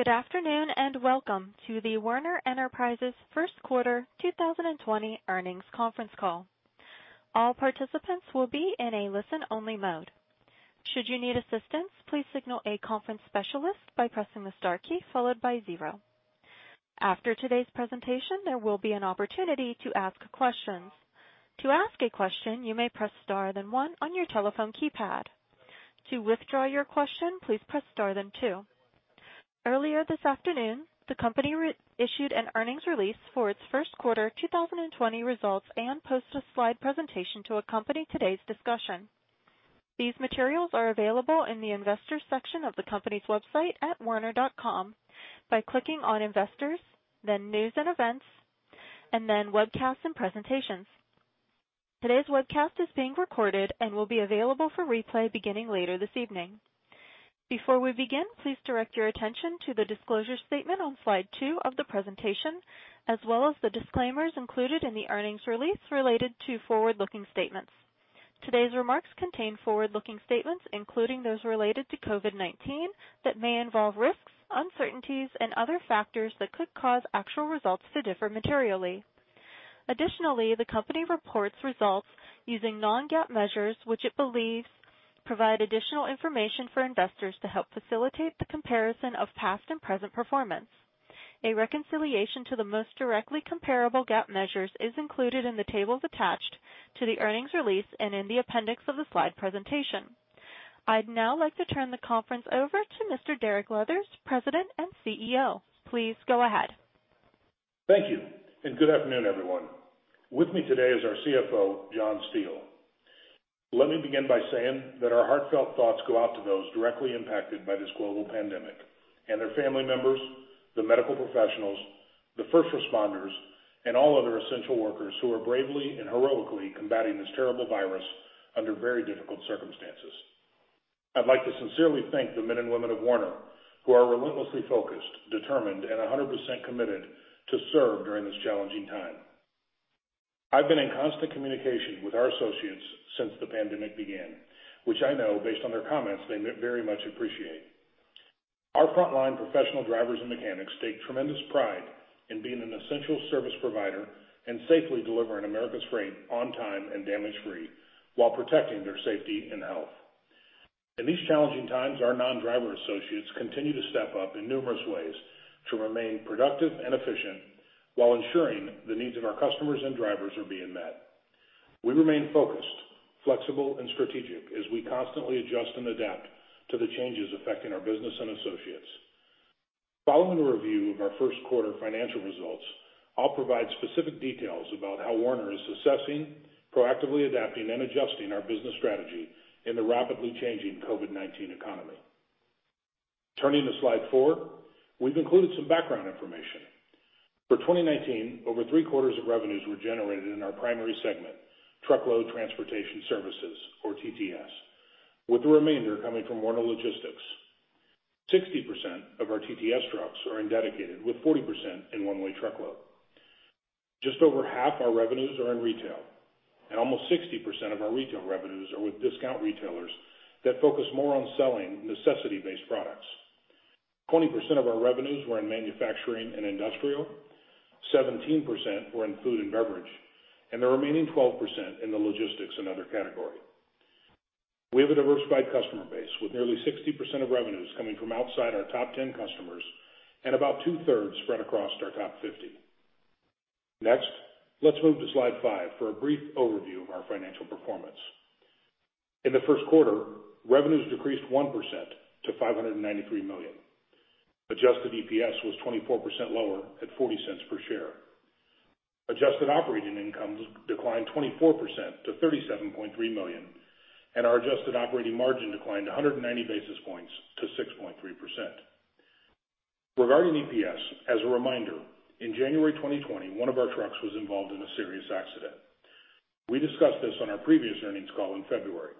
Good afternoon, and welcome to the Werner Enterprises first quarter 2020 earnings conference call. All participants will be in a listen-only mode. Should you need assistance, please signal a conference specialist by pressing the star key followed by zero. After today's presentation, there will be an opportunity to ask questions. To ask a question, you may press star, then one on your telephone keypad. To withdraw your question, please press star, then two. Earlier this afternoon, the company issued an earnings release for its first quarter 2020 results and posted a slide presentation to accompany today's discussion. These materials are available in the Investors section of the company's website at werner.com by clicking on Investors, then News and Events, and then Webcasts and Presentations. Today's webcast is being recorded and will be available for replay beginning later this evening. Before we begin, please direct your attention to the disclosure statement on slide 2 of the presentation, as well as the disclaimers included in the earnings release related to forward-looking statements. Today's remarks contain forward-looking statements, including those related to COVID-19, that may involve risks, uncertainties, and other factors that could cause actual results to differ materially. Additionally, the company reports results using non-GAAP measures, which it believes provide additional information for investors to help facilitate the comparison of past and present performance. A reconciliation to the most directly comparable GAAP measures is included in the tables attached to the earnings release and in the appendix of the slide presentation. I'd now like to turn the conference over to Mr. Derek Leathers, President and CEO. Please go ahead. Thank you. Good afternoon, everyone. With me today is our CFO, John Steele. Let me begin by saying that our heartfelt thoughts go out to those directly impacted by this global pandemic and their family members, the medical professionals, the first responders, and all other essential workers who are bravely and heroically combating this terrible virus under very difficult circumstances. I'd like to sincerely thank the men and women of Werner, who are relentlessly focused, determined, and 100% committed to serve during this challenging time. I've been in constant communication with our associates since the pandemic began, which I know based on their comments, they very much appreciate. Our frontline professional drivers and mechanics take tremendous pride in being an essential service provider and safely delivering America's freight on time and damage-free while protecting their safety and health. In these challenging times, our non-driver associates continue to step up in numerous ways to remain productive and efficient while ensuring the needs of our customers and drivers are being met. We remain focused, flexible, and strategic as we constantly adjust and adapt to the changes affecting our business and associates. Following a review of our first quarter financial results, I'll provide specific details about how Werner is assessing, proactively adapting, and adjusting our business strategy in the rapidly changing COVID-19 economy. Turning to slide 4, we've included some background information. For 2019, over three-quarters of revenues were generated in our primary segment, Truckload Transportation Services, or TTS, with the remainder coming from Werner Logistics. 60% of our TTS trucks are in dedicated, with 40% in one-way truckload. Just over half our revenues are in retail, and almost 60% of our retail revenues are with discount retailers that focus more on selling necessity-based products. 20% of our revenues were in manufacturing and industrial, 17% were in food and beverage, and the remaining 12% in the logistics and other category. We have a diversified customer base, with nearly 60% of revenues coming from outside our top 10 customers and about two-thirds spread across our top 50. Next, let's move to slide 5 for a brief overview of our financial performance. In the first quarter, revenues decreased 1% to $593 million. Adjusted EPS was 24% lower at $0.40 per share. Adjusted operating incomes declined 24% to $37.3 million, and our adjusted operating margin declined 190 basis points to 6.3%. Regarding EPS, as a reminder, in January 2020, one of our trucks was involved in a serious accident. We discussed this on our previous earnings call in February.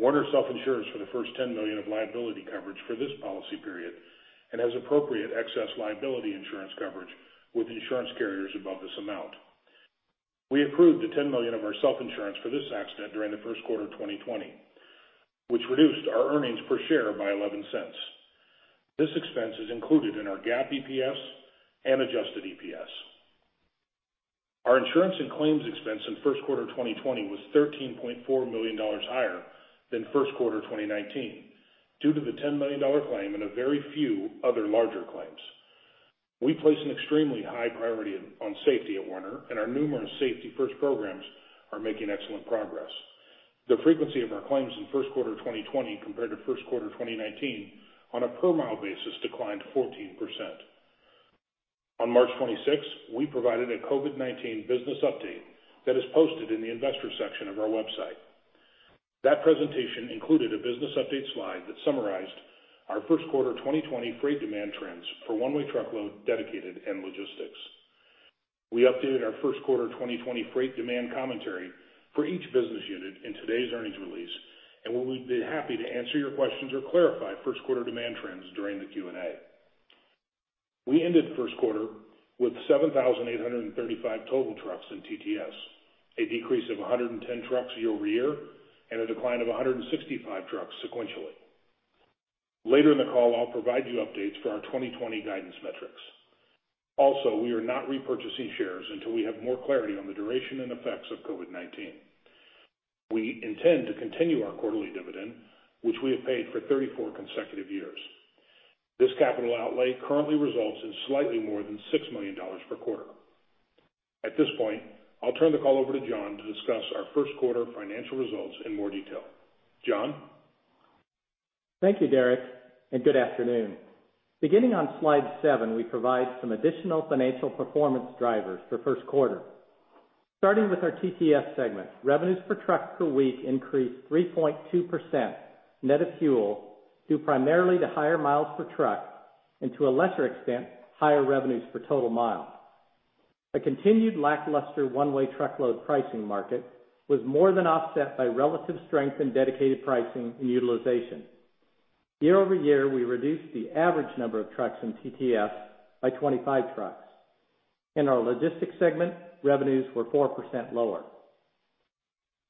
Werner self-insures for the first $10 million of liability coverage for this policy period and has appropriate excess liability insurance coverage with insurance carriers above this amount. We approved the $10 million of our self-insurance for this accident during the first quarter of 2020, which reduced our earnings per share by $0.11. This expense is included in our GAAP EPS and adjusted EPS. Our insurance and claims expense in first quarter 2020 was $13.4 million higher than first quarter 2019 due to the $10 million claim and a very few other larger claims. We place an extremely high priority on safety at Werner, and our numerous safety-first programs are making excellent progress. The frequency of our claims in first quarter 2020 compared to first quarter 2019 on a per mile basis declined 14%. On March 26th, we provided a COVID-19 business update that is posted in the Investors section of our website. That presentation included a business update slide that summarized our first quarter 2020 freight demand trends for one-way truckload, dedicated, and logistics. We updated our first quarter 2020 freight demand commentary for each business unit in today's earnings release, and we would be happy to answer your questions or clarify first quarter demand trends during the Q&A. We ended the first quarter with 7,835 total trucks in TTS, a decrease of 110 trucks year-over-year, and a decline of 165 trucks sequentially. Later in the call, I'll provide you updates for our 2020 guidance metrics. We are not repurchasing shares until we have more clarity on the duration and effects of COVID-19. We intend to continue our quarterly dividend, which we have paid for 34 consecutive years. This capital outlay currently results in slightly more than $6 million per quarter. At this point, I'll turn the call over to John to discuss our first quarter financial results in more detail. John? Thank you, Derek, and good afternoon. Beginning on slide 7, we provide some additional financial performance drivers for first quarter. Starting with our TTS Segment, revenues per truck per week increased 3.2%, net of fuel, due primarily to higher miles per truck and, to a lesser extent, higher revenues per total mile. A continued lackluster one-way truckload pricing market was more than offset by relative strength in dedicated pricing and utilization. Year-over-year, we reduced the average number of trucks in TTS by 25 trucks. In our Logistics Segment, revenues were 4% lower.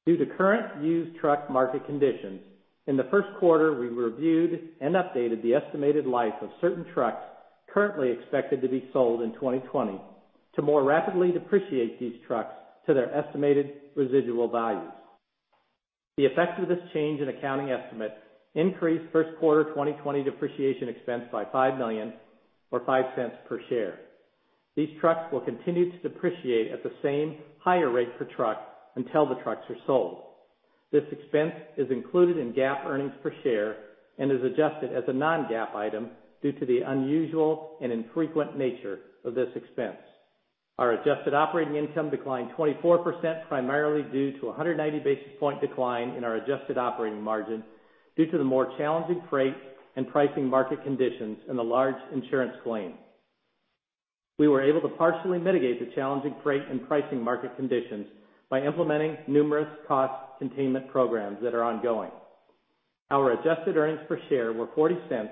Due to current used truck market conditions, in the first quarter, we reviewed and updated the estimated life of certain trucks currently expected to be sold in 2020 to more rapidly depreciate these trucks to their estimated residual values. The effect of this change in accounting estimate increased first quarter 2020 depreciation expense by $5 million, or $0.05 per share. These trucks will continue to depreciate at the same higher rate per truck until the trucks are sold. This expense is included in GAAP earnings per share and is adjusted as a non-GAAP item due to the unusual and infrequent nature of this expense. Our adjusted operating income declined 24%, primarily due to 190 basis point decline in our adjusted operating margin due to the more challenging freight and pricing market conditions and the large insurance claim. We were able to partially mitigate the challenging freight and pricing market conditions by implementing numerous cost containment programs that are ongoing. Our adjusted earnings per share were $0.40,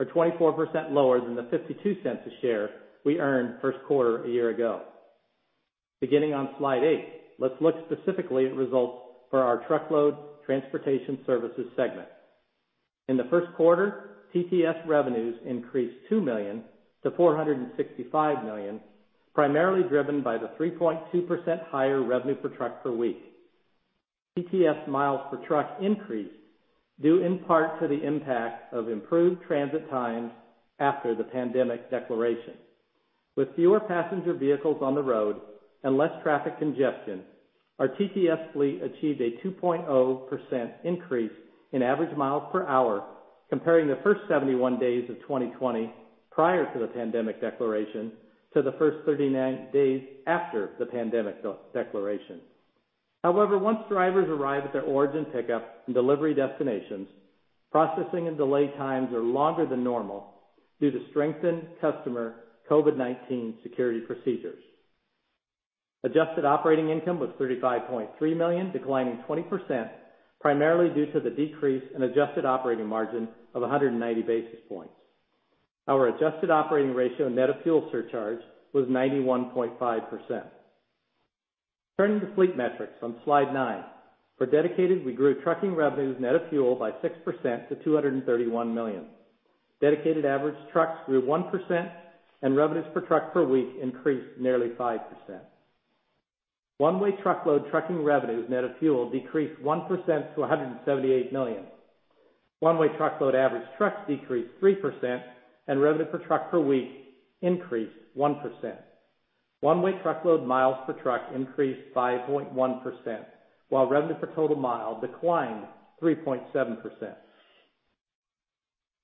or 24% lower than the $0.52 a share we earned first quarter a year ago. Beginning on slide 8, let's look specifically at results for our Truckload Transportation Services segment. In the first quarter, TTS revenues increased $2 million to $465 million, primarily driven by the 3.2% higher revenue per truck per week. TTS miles per truck increased, due in part to the impact of improved transit times after the pandemic declaration. With fewer passenger vehicles on the road and less traffic congestion, our TTS fleet achieved a 2.0% increase in average miles per hour, comparing the first 71 days of 2020 prior to the pandemic declaration to the first 39 days after the pandemic declaration. However, once drivers arrive at their origin pickup and delivery destinations, processing and delay times are longer than normal due to strengthened customer COVID-19 security procedures. Adjusted operating income was $35.3 million, declining 20%, primarily due to the decrease in adjusted operating margin of 190 basis points. Our adjusted operating ratio net of fuel surcharge was 91.5%. Turning to fleet metrics on slide 9. For dedicated, we grew trucking revenues net of fuel by 6% to $231 million. Dedicated average trucks grew 1%, and revenues per truck per week increased nearly 5%. One-way truckload trucking revenues net of fuel decreased 1% to $178 million. One-way truckload average trucks decreased 3%, and revenue per truck per week increased 1%. One-way truckload miles per truck increased 5.1%, while revenue per total mile declined 3.7%.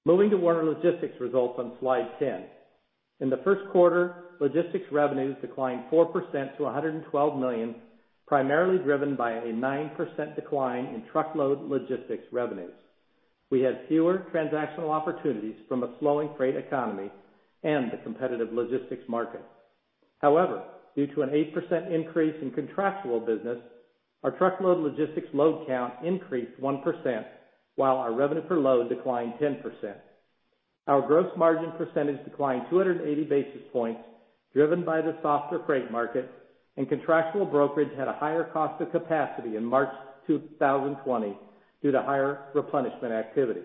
Moving to Werner Logistics results on slide 10. In the first quarter, logistics revenues declined 4% to $112 million, primarily driven by a 9% decline in truckload logistics revenues. We had fewer transactional opportunities from a slowing freight economy and the competitive logistics market. However, due to an 8% increase in contractual business, our truckload logistics load count increased 1%, while our revenue per load declined 10%. Our gross margin percentage declined 280 basis points, driven by the softer freight market. Contractual brokerage had a higher cost of capacity in March 2020 due to higher replenishment activity.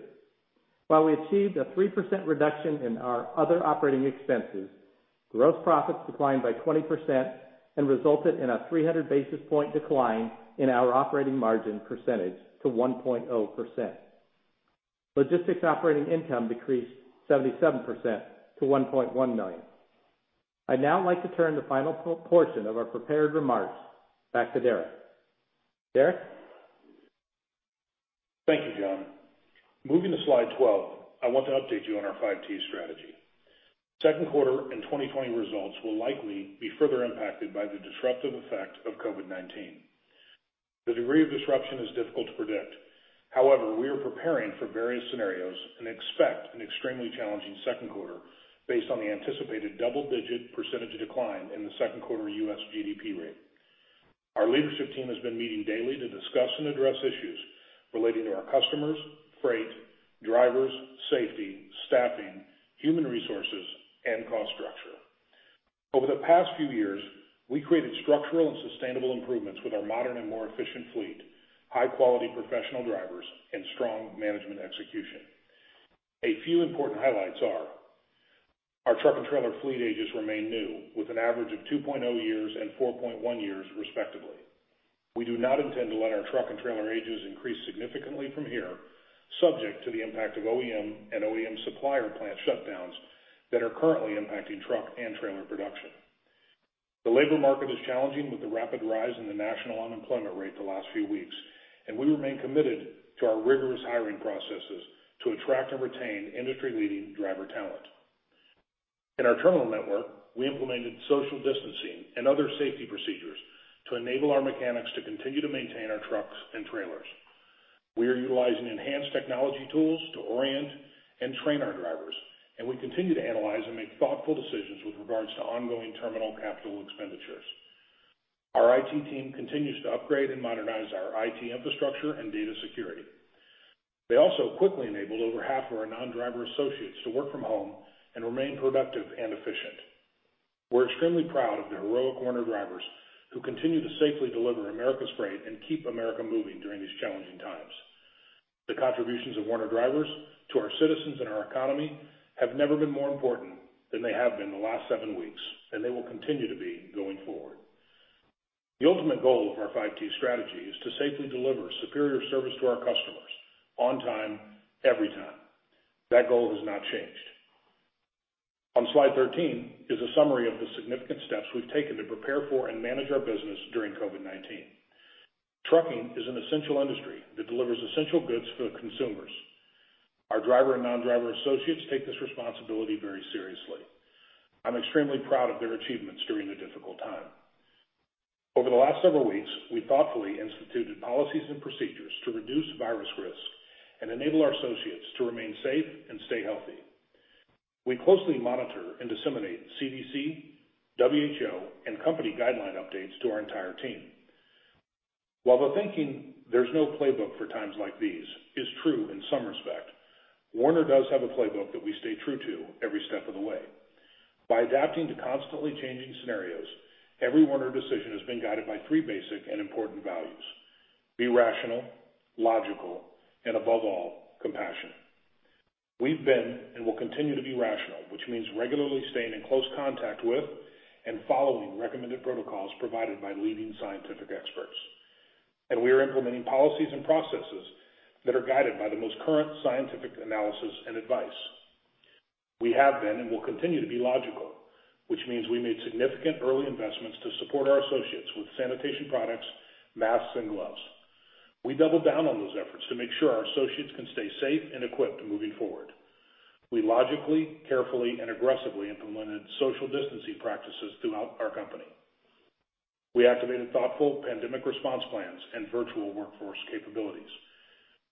While we achieved a 3% reduction in our other operating expenses, gross profits declined by 20% and resulted in a 300 basis point decline in our operating margin percentage to 1.0%. Logistics operating income decreased 77% to $1.1 million. I'd now like to turn the final portion of our prepared remarks back to Derek. Derek? Thank you, John. Moving to slide 12, I want to update you on our Five T's strategy. Second quarter and 2020 results will likely be further impacted by the disruptive effect of COVID-19. The degree of disruption is difficult to predict. However, we are preparing for various scenarios and expect an extremely challenging second quarter based on the anticipated double-digit percentage decline in the second quarter U.S. GDP rate. Our leadership team has been meeting daily to discuss and address issues relating to our customers, freight, drivers, safety, staffing, human resources, and cost structure. Over the past few years, we created structural and sustainable improvements with our modern and more efficient fleet, high-quality professional drivers, and strong management execution. A few important highlights are our truck and trailer fleet ages remain new, with an average of 2.0 years and 4.1 years respectively. We do not intend to let our truck and trailer ages increase significantly from here, subject to the impact of OEM and OEM supplier plant shutdowns that are currently impacting truck and trailer production. The labor market is challenging with the rapid rise in the national unemployment rate the last few weeks, and we remain committed to our rigorous hiring processes to attract and retain industry-leading driver talent. In our terminal network, we implemented social distancing and other safety procedures to enable our mechanics to continue to maintain our trucks and trailers. We are utilizing enhanced technology tools to orient and train our drivers, and we continue to analyze and make thoughtful decisions with regards to ongoing terminal capital expenditures. Our IT team continues to upgrade and modernize our IT infrastructure and data security. They also quickly enabled over half of our non-driver associates to work from home and remain productive and efficient. We're extremely proud of the heroic Werner drivers who continue to safely deliver America's freight and keep America moving during these challenging times. The contributions of Werner drivers to our citizens and our economy have never been more important than they have been in the last seven weeks, and they will continue to be going forward. The ultimate goal of our Five T's strategy is to safely deliver superior service to our customers, on time, every time. That goal has not changed. On slide 13 is a summary of the significant steps we've taken to prepare for and manage our business during COVID-19. Trucking is an essential industry that delivers essential goods for the consumers. Our driver and non-driver associates take this responsibility very seriously. I'm extremely proud of their achievements during a difficult time. Over the last several weeks, we thoughtfully instituted policies and procedures to reduce virus risk and enable our associates to remain safe and stay healthy. We closely monitor and disseminate CDC, WHO, and company guideline updates to our entire team. While the thinking, there's no playbook for times like these, is true in some respect, Werner does have a playbook that we stay true to every step of the way. By adapting to constantly changing scenarios, every Werner decision has been guided by three basic and important values. Be rational, logical, and above all, compassionate. We've been, and will continue to be rational, which means regularly staying in close contact with and following recommended protocols provided by leading scientific experts. We are implementing policies and processes that are guided by the most current scientific analysis and advice. We have been, and will continue to be logical, which means we made significant early investments to support our associates with sanitation products, masks, and gloves. We doubled down on those efforts to make sure our associates can stay safe and equipped moving forward. We logically, carefully, and aggressively implemented social distancing practices throughout our company. We activated thoughtful pandemic response plans and virtual workforce capabilities.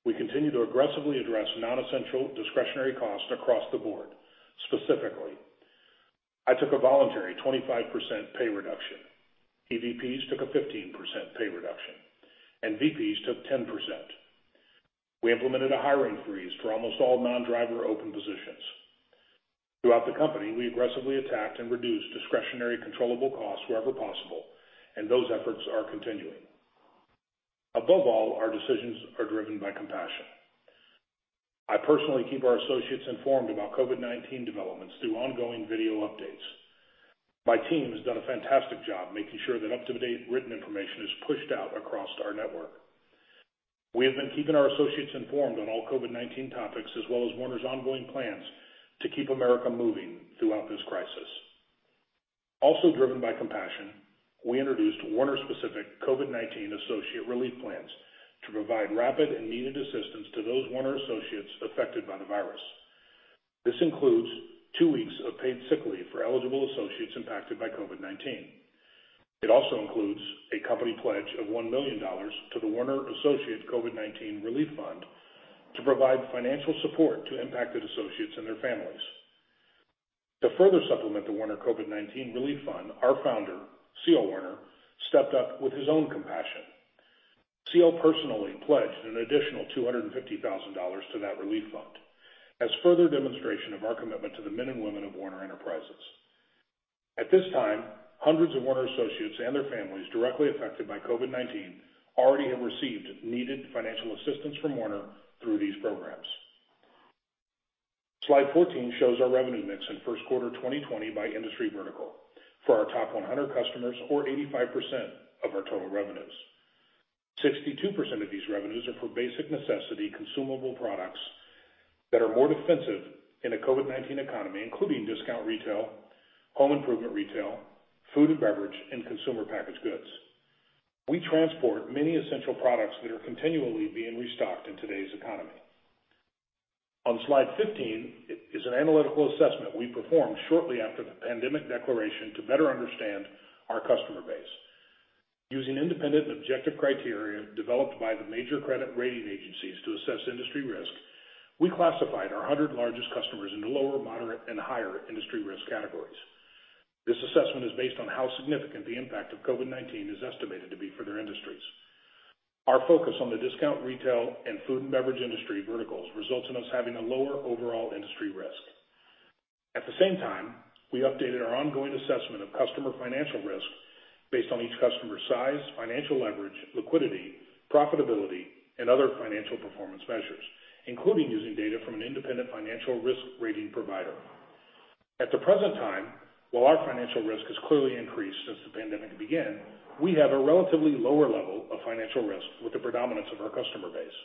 We continue to aggressively address non-essential discretionary costs across the board. Specifically, I took a voluntary 25% pay reduction. EVP took a 15% pay reduction, and VP took 10%. We implemented a hiring freeze for almost all non-driver open positions. Throughout the company, we aggressively attacked and reduced discretionary controllable costs wherever possible, and those efforts are continuing. Above all, our decisions are driven by compassion. I personally keep our associates informed about COVID-19 developments through ongoing video updates. My team has done a fantastic job making sure that up-to-date written information is pushed out across our network. We have been keeping our associates informed on all COVID-19 topics, as well as Werner's ongoing plans to keep America moving throughout this crisis. Also driven by compassion, we introduced Werner specific COVID-19 associate relief plans to provide rapid and needed assistance to those Werner associates affected by the virus. This includes two weeks of paid sick leave for eligible associates impacted by COVID-19. It also includes a company pledge of $1 million to the Werner Associate COVID-19 Relief Fund to provide financial support to impacted associates and their families. To further supplement the Werner COVID-19 Relief Fund, our founder, C.L. Werner, stepped up with his own compassion. C.L. personally pledged an additional $250,000 to that relief fund as further demonstration of our commitment to the men and women of Werner Enterprises. At this time, hundreds of Werner associates and their families directly affected by COVID-19 already have received needed financial assistance from Werner through these programs. Slide 14 shows our revenue mix in first quarter 2020 by industry vertical for our top 100 customers or 85% of our total revenues. 62% of these revenues are for basic necessity consumable products that are more defensive in a COVID-19 economy, including discount retail, home improvement retail, food and beverage, and consumer packaged goods. We transport many essential products that are continually being restocked in today's economy. On slide 15 is an analytical assessment we performed shortly after the pandemic declaration to better understand our customer base. Using independent and objective criteria developed by the major credit rating agencies to assess industry risk. We classified our 100 largest customers into lower, moderate, and higher industry risk categories. This assessment is based on how significant the impact of COVID-19 is estimated to be for their industries. Our focus on the discount retail and food and beverage industry verticals results in us having a lower overall industry risk. At the same time, we updated our ongoing assessment of customer financial risk based on each customer's size, financial leverage, liquidity, profitability, and other financial performance measures, including using data from an independent financial risk rating provider. At the present time, while our financial risk has clearly increased since the pandemic began, we have a relatively lower level of financial risk with the predominance of our customer base.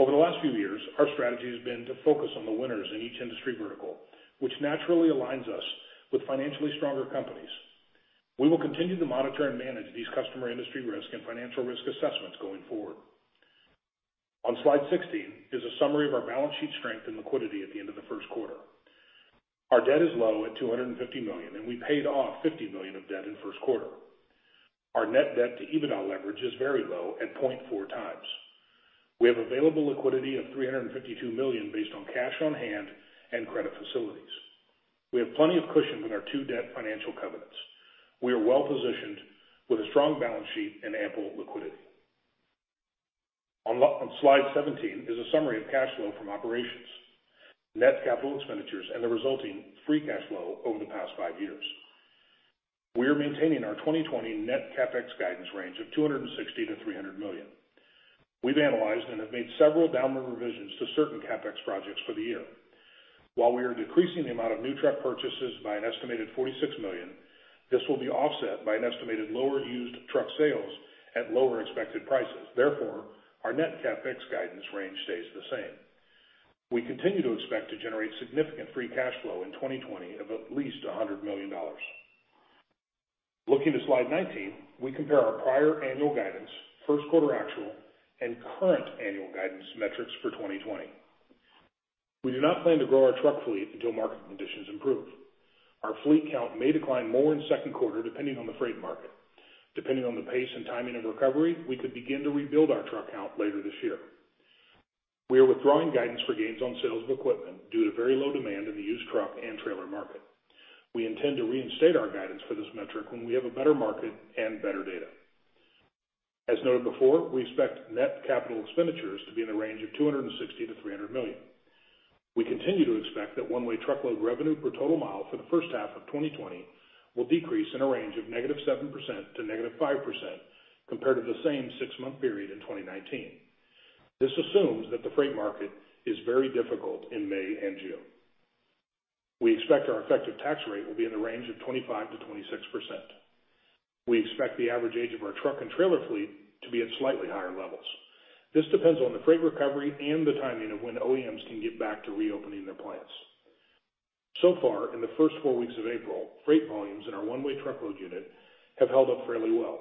Over the last few years, our strategy has been to focus on the winners in each industry vertical, which naturally aligns us with financially stronger companies. We will continue to monitor and manage these customer industry risk and financial risk assessments going forward. On slide 16 is a summary of our balance sheet strength and liquidity at the end of the first quarter. Our debt is low at $250 million, and we paid off $50 million of debt in the first quarter. Our net debt to EBITDA leverage is very low at 0.4 times. We have available liquidity of $352 million based on cash on hand and credit facilities. We have plenty of cushion on our two debt financial covenants. We are well-positioned with a strong balance sheet and ample liquidity. On slide 17 is a summary of cash flow from operations, net capital expenditures, and the resulting free cash flow over the past five years. We are maintaining our 2020 net CapEx guidance range of $260 million to $300 million. We've analyzed and have made several downward revisions to certain CapEx projects for the year. While we are decreasing the amount of new truck purchases by an estimated $46 million, this will be offset by an estimated lower used truck sales at lower expected prices. Therefore, our net CapEx guidance range stays the same. We continue to expect to generate significant free cash flow in 2020 of at least $100 million. Looking to slide 19, we compare our prior annual guidance, first quarter actual, and current annual guidance metrics for 2020. We do not plan to grow our truck fleet until market conditions improve. Our fleet count may decline more in the second quarter, depending on the freight market. Depending on the pace and timing of recovery, we could begin to rebuild our truck count later this year. We are withdrawing guidance for gains on sales of equipment due to very low demand in the used truck and trailer market. We intend to reinstate our guidance for this metric when we have a better market and better data. As noted before, we expect net capital expenditures to be in the range of $260 million-$300 million. We continue to expect that one-way truckload revenue per total mile for the first half of 2020 will decrease in a range of -7% to -5% compared to the same six-month period in 2019. This assumes that the freight market is very difficult in May and June. We expect our effective tax rate will be in the range of 25%-26%. We expect the average age of our truck and trailer fleet to be at slightly higher levels. This depends on the freight recovery and the timing of when OEMs can get back to reopening their plants. So far, in the first four weeks of April, freight volumes in our one-way truckload unit have held up fairly well,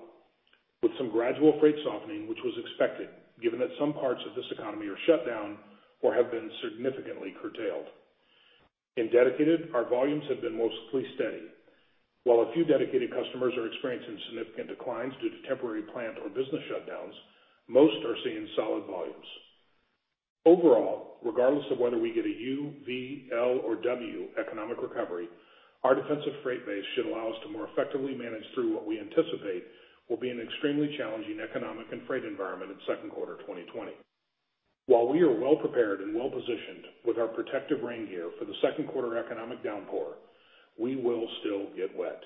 with some gradual freight softening, which was expected given that some parts of this economy are shut down or have been significantly curtailed. In Dedicated, our volumes have been mostly steady. While a few dedicated customers are experiencing significant declines due to temporary plant or business shutdowns, most are seeing solid volumes. Overall, regardless of whether we get a U, V, L, or W economic recovery, our defensive freight base should allow us to more effectively manage through what we anticipate will be an extremely challenging economic and freight environment in the second quarter of 2020. While we are well prepared and well-positioned with our protective rain gear for the second quarter economic downpour, we will still get wet.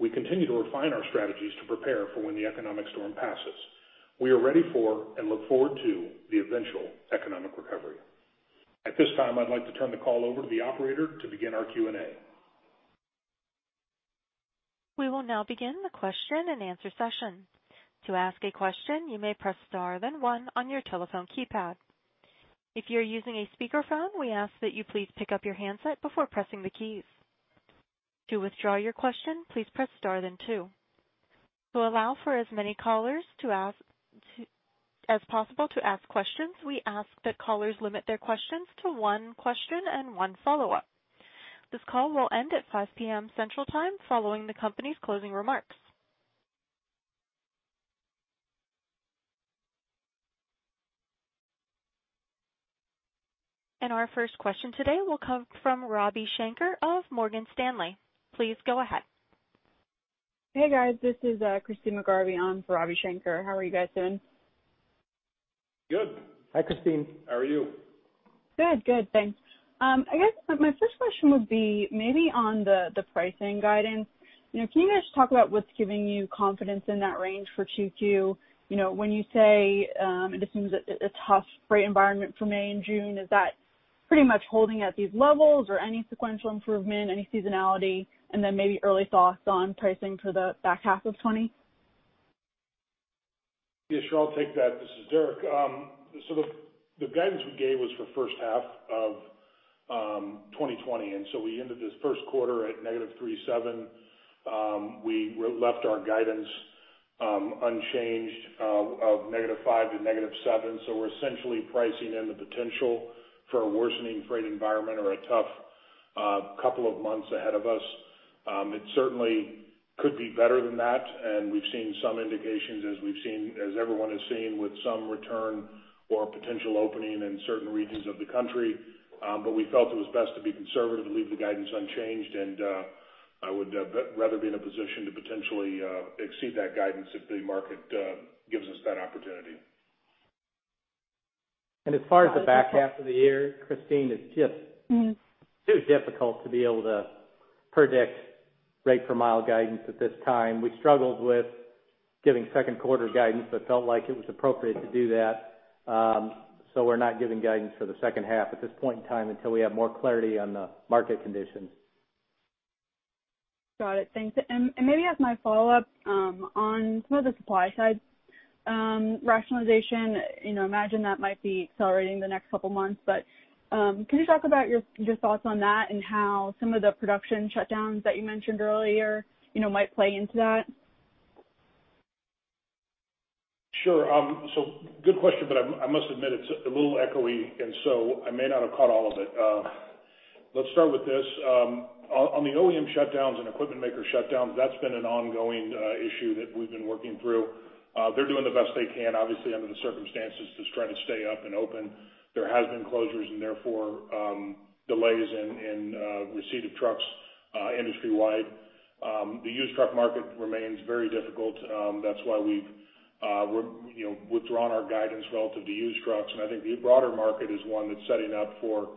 We continue to refine our strategies to prepare for when the economic storm passes. We are ready for and look forward to the eventual economic recovery. At this time, I'd like to turn the call over to the operator to begin our Q&A. We will now begin the question-and-answer session. To ask a question, you may press star then one on your telephone keypad. If you're using a speakerphone, we ask that you please pick up your handset before pressing the keys. To withdraw your question, please press star then two. To allow for as many callers as possible to ask questions, we ask that callers limit their questions to one question and one follow-up. This call will end at 5:00 P.M. Central Time following the company's closing remarks. Our first question today will come from Ravi Shanker of Morgan Stanley. Please go ahead. Hey, guys. This is Christyne McGarvey on for Ravi Shanker. How are you guys doing? Good. Hi, Christyne. How are you? Good. Thanks. I guess my first question would be maybe on the pricing guidance. Can you guys talk about what's giving you confidence in that range for Q2? When you say it just seems a tough freight environment for May and June, is that pretty much holding at these levels? Any sequential improvement, any seasonality? Maybe early thoughts on pricing for the back half of 2020? Yes, sure. I'll take that. This is Derek. The guidance we gave was for the first half of 2020. We ended this first quarter at -3.7%. We left our guidance unchanged of -5% to -7%. We're essentially pricing in the potential for a worsening freight environment or a tough couple of months ahead of us. It certainly could be better than that, and we've seen some indications, as everyone has seen, with some return or potential opening in certain regions of the country. We felt it was best to be conservative and leave the guidance unchanged, and I would rather be in a position to potentially exceed that guidance if the market gives us that opportunity. As far as the back half of the year, Christyne, it's just too difficult to be able to predict rate per mile guidance at this time. We struggled with giving second quarter guidance, but felt like it was appropriate to do that. We're not giving guidance for the second half at this point in time until we have more clarity on the market conditions. Got it. Thanks. Maybe as my follow-up, on some of the supply side rationalization, I imagine that might be accelerating the next couple of months. Can you talk about your thoughts on that and how some of the production shutdowns that you mentioned earlier might play into that? Sure. Good question, but I must admit, it's a little echoey, I may not have caught all of it. Let's start with this. On the OEM shutdowns and equipment maker shutdowns, that's been an ongoing issue that we've been working through. They're doing the best they can, obviously under the circumstances, just trying to stay up and open. There has been closures, and therefore delays in receipt of trucks industry wide. The used truck market remains very difficult. That's why we've withdrawn our guidance relative to used trucks. I think the broader market is one that's setting up for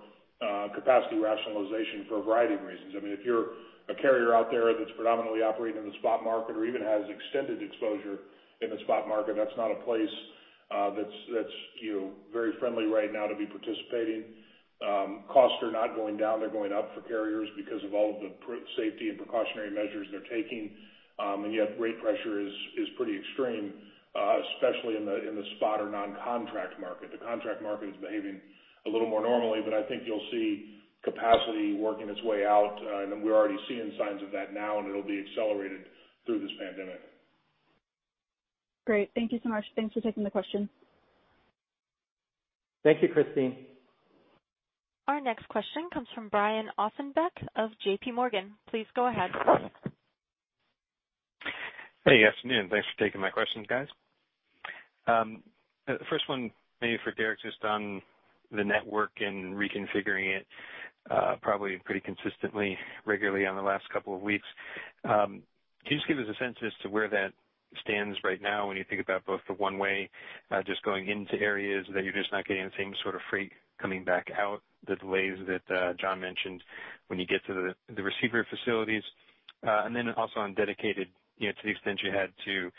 capacity rationalization for a variety of reasons. If you're a carrier out there that's predominantly operating in the spot market or even has extended exposure in the spot market, that's not a place that's very friendly right now to be participating. Costs are not going down. They're going up for carriers because of all of the safety and precautionary measures they're taking. Yet rate pressure is pretty extreme, especially in the spot or non-contract market. The contract market is behaving a little more normally, but I think you'll see capacity working its way out. We're already seeing signs of that now, and it'll be accelerated through this pandemic. Great. Thank you so much. Thanks for taking the question. Thank you, Christyne. Our next question comes from Brian Ossenbeck of JP Morgan. Please go ahead. Hey, good afternoon. Thanks for taking my questions, guys. First one maybe for Derek, just on the network and reconfiguring it probably pretty consistently, regularly on the last couple of weeks. Can you just give us a sense as to where that stands right now when you think about both the one way, just going into areas that you're just not getting the same sort of freight coming back out, the delays that John mentioned when you get to the receiver facilities? Also on dedicated, to the extent you had to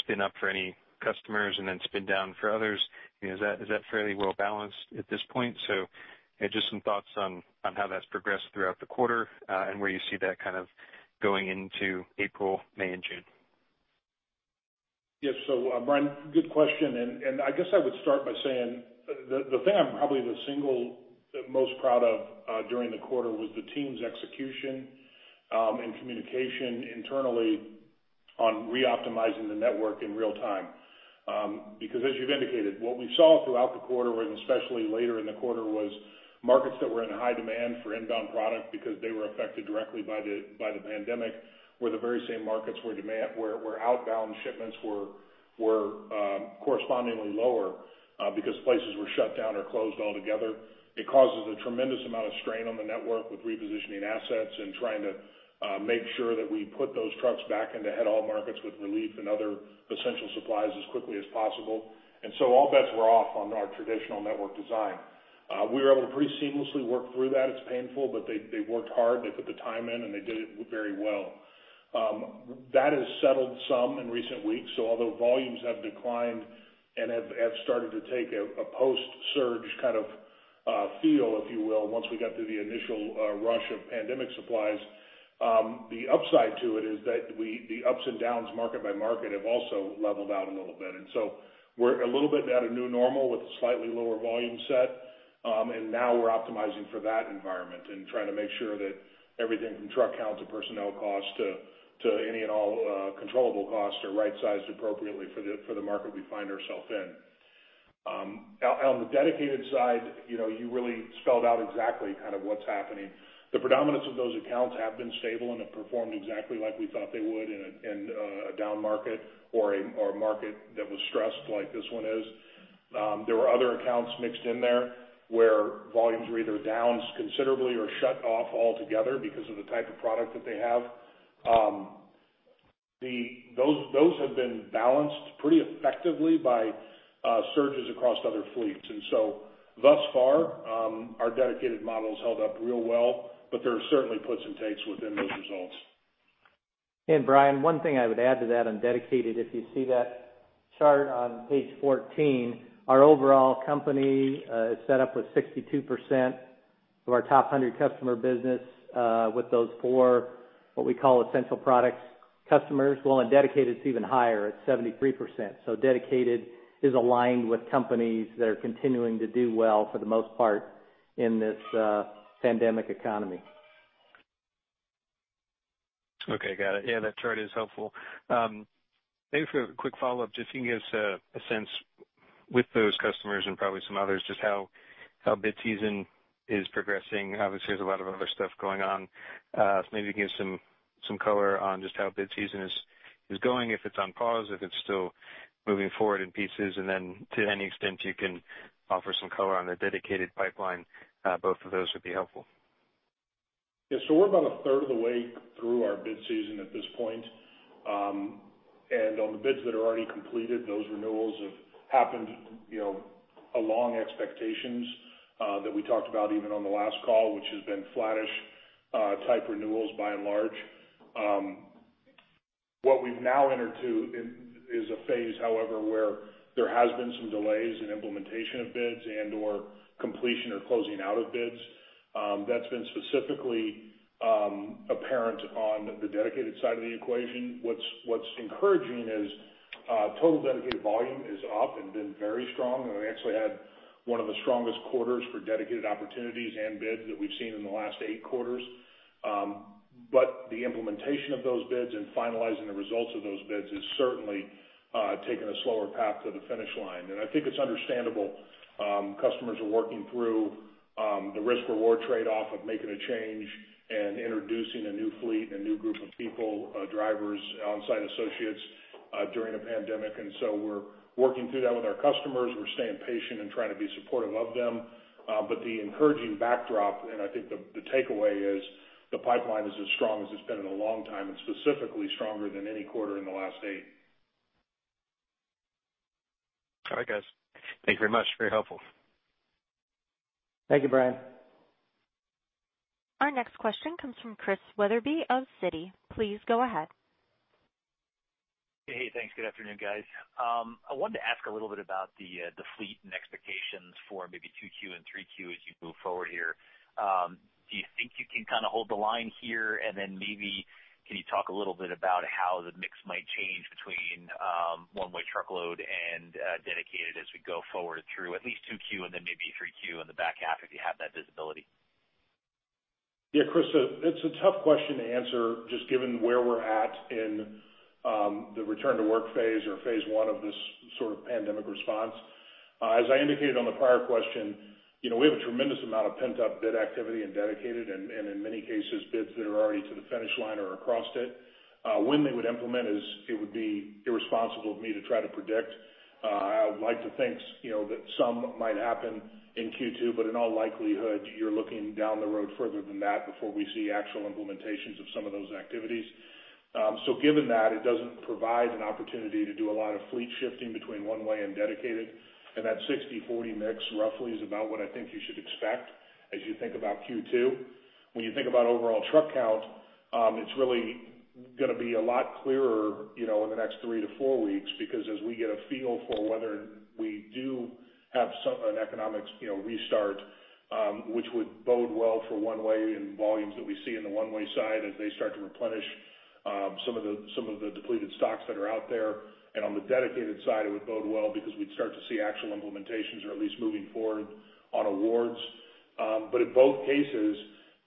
spin up for any customers and then spin down for others. Is that fairly well balanced at this point? Just some thoughts on how that's progressed throughout the quarter, and where you see that kind of going into April, May and June. Yes. Brian, good question. I guess I would start by saying the thing I'm probably the single most proud of during the quarter was the team's execution and communication internally on re-optimizing the network in real-time. As you've indicated, what we saw throughout the quarter and especially later in the quarter, was markets that were in high demand for inbound product because they were affected directly by the pandemic, were the very same markets where outbound shipments were correspondingly lower because places were shut down or closed altogether. It causes a tremendous amount of strain on the network with repositioning assets and trying to make sure that we put those trucks back into head haul markets with relief and other essential supplies as quickly as possible. All bets were off on our traditional network design. We were able to pretty seamlessly work through that. It's painful, but they worked hard. They put the time in, and they did it very well. That has settled some in recent weeks. Although volumes have declined and have started to take a post-surge kind of feel, if you will, once we got through the initial rush of pandemic supplies. The upside to it is that the ups and downs market by market have also leveled out a little bit. We're a little bit at a new normal with a slightly lower volume set. Now we're optimizing for that environment and trying to make sure that everything from truck counts to personnel costs to any and all controllable costs are right-sized appropriately for the market we find ourself in. On the dedicated side, you really spelled out exactly kind of what's happening. The predominance of those accounts have been stable and have performed exactly like we thought they would in a down market or a market that was stressed like this one is. There were other accounts mixed in there where volumes were either down considerably or shut off altogether because of the type of product that they have. Those have been balanced pretty effectively by surges across other fleets. Thus far, our dedicated model has held up real well, but there are certainly puts and takes within those results. Brian, one thing I would add to that on dedicated, if you see that chart on page 14, our overall company is set up with 62% of our top 100 customer business, with those four, what we call essential products customers. Well, on dedicated, it's even higher. It's 73%. Dedicated is aligned with companies that are continuing to do well for the most part in this pandemic economy. Okay, got it. Yeah, that chart is helpful. Maybe for a quick follow-up, if you can give us a sense with those customers and probably some others, just how bid season is progressing. Obviously, there's a lot of other stuff going on. Maybe give some color on just how bid season is going, if it's on pause, if it's still moving forward in pieces, and then to any extent you can offer some color on the dedicated pipeline. Both of those would be helpful. Yeah. We're about a third of the way through our bid season at this point. On the bids that are already completed, those renewals have happened along expectations that we talked about even on the last call, which has been flattish type renewals by and large. What we've now entered to is a phase, however, where there has been some delays in implementation of bids and/or completion or closing out of bids. That's been specifically apparent on the dedicated side of the equation. What's encouraging is total dedicated volume is up and been very strong, and we actually had one of the strongest quarters for dedicated opportunities and bids that we've seen in the last eight quarters. The implementation of those bids and finalizing the results of those bids has certainly taken a slower path to the finish line. I think it's understandable. Customers are working through the risk/reward trade-off of making a change and introducing a new fleet and a new group of people, drivers, onsite associates during a pandemic. We're working through that with our customers. We're staying patient and trying to be supportive of them. The encouraging backdrop, and I think the takeaway is, the pipeline is as strong as it's been in a long time, and specifically stronger than any quarter in the last eight. All right, guys. Thank you very much. Very helpful. Thank you, Brian. Our next question comes from Chris Wetherbee of Citi. Please go ahead. Hey. Thanks. Good afternoon, guys. I wanted to ask a little bit about the fleet and expectations for maybe 2Q and 3Q as you move forward here. Do you think you can kind of hold the line here, and then maybe can you talk a little bit about how the mix might change between one-way truckload and dedicated as we go forward through at least 2Q and then maybe 3Q in the back half if you have that visibility? Yeah, Chris, it's a tough question to answer just given where we're at in the return-to-work phase or phase I of this sort of pandemic response. As I indicated on the prior question, we have a tremendous amount of pent-up bid activity in dedicated, and in many cases, bids that are already to the finish line or across it. When they would implement, it would be irresponsible of me to try to predict. I would like to think that some might happen in Q2, but in all likelihood, you're looking down the road further than that before we see actual implementations of some of those activities. Given that, it doesn't provide an opportunity to do a lot of fleet shifting between one way and dedicated. That 60/40 mix roughly is about what I think you should expect as you think about Q2. When you think about overall truck count, it's really going to be a lot clearer in the next three to four weeks because as we get a feel for whether we do have an economics restart, which would bode well for one-way and volumes that we see in the one-way side as they start to replenish some of the depleted stocks that are out there. On the dedicated side, it would bode well because we'd start to see actual implementations or at least moving forward on awards. In both cases,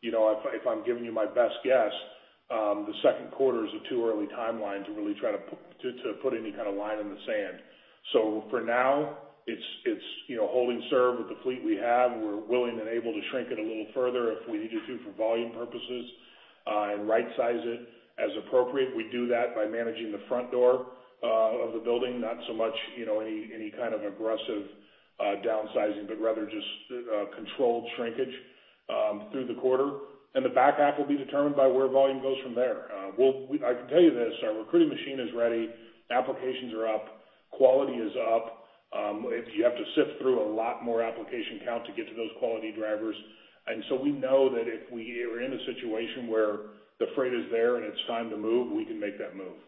if I'm giving you my best guess, the second quarter is a too early timeline to really try to put any kind of line in the sand. For now, it's holding serve with the fleet we have, and we're willing and able to shrink it a little further if we need to for volume purposes, and rightsize it as appropriate. We do that by managing the front door of the building, not so much any kind of aggressive downsizing, but rather just controlled shrinkage through the quarter. The back half will be determined by where volume goes from there. I can tell you this, our recruiting machine is ready. Applications are up. Quality is up. You have to sift through a lot more application count to get to those quality drivers. We know that if we are in a situation where the freight is there and it's time to move, we can make that move.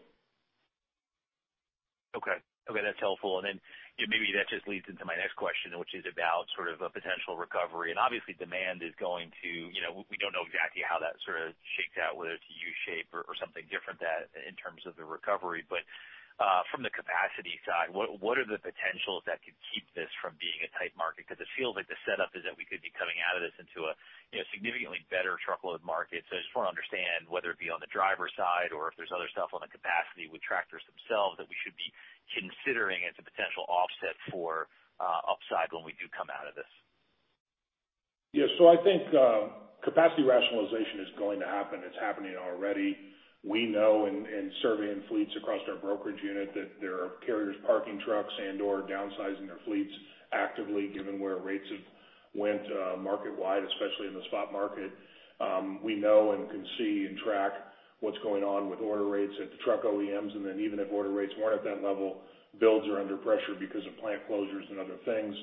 Okay. That's helpful. Then maybe that just leads into my next question, which is about sort of a potential recovery. Obviously, We don't know exactly how that sort of shakes out, whether it's a U-shape or something different in terms of the recovery. From the capacity side, what are the potentials that could keep this from being a tight market? Because it feels like the setup is that we could be coming out of this into a significantly better truckload market. I just want to understand whether it be on the driver side or if there's other stuff on the capacity with tractors themselves that we should be considering as a potential offset for upside when we do come out of this. I think capacity rationalization is going to happen. It's happening already. We know in surveying fleets across our brokerage unit that there are carriers parking trucks and/or downsizing their fleets actively, given where rates have went market-wide, especially in the spot market. We know and can see and track what's going on with order rates at the truck OEMs, and then even if order rates weren't at that level, builds are under pressure because of plant closures and other things.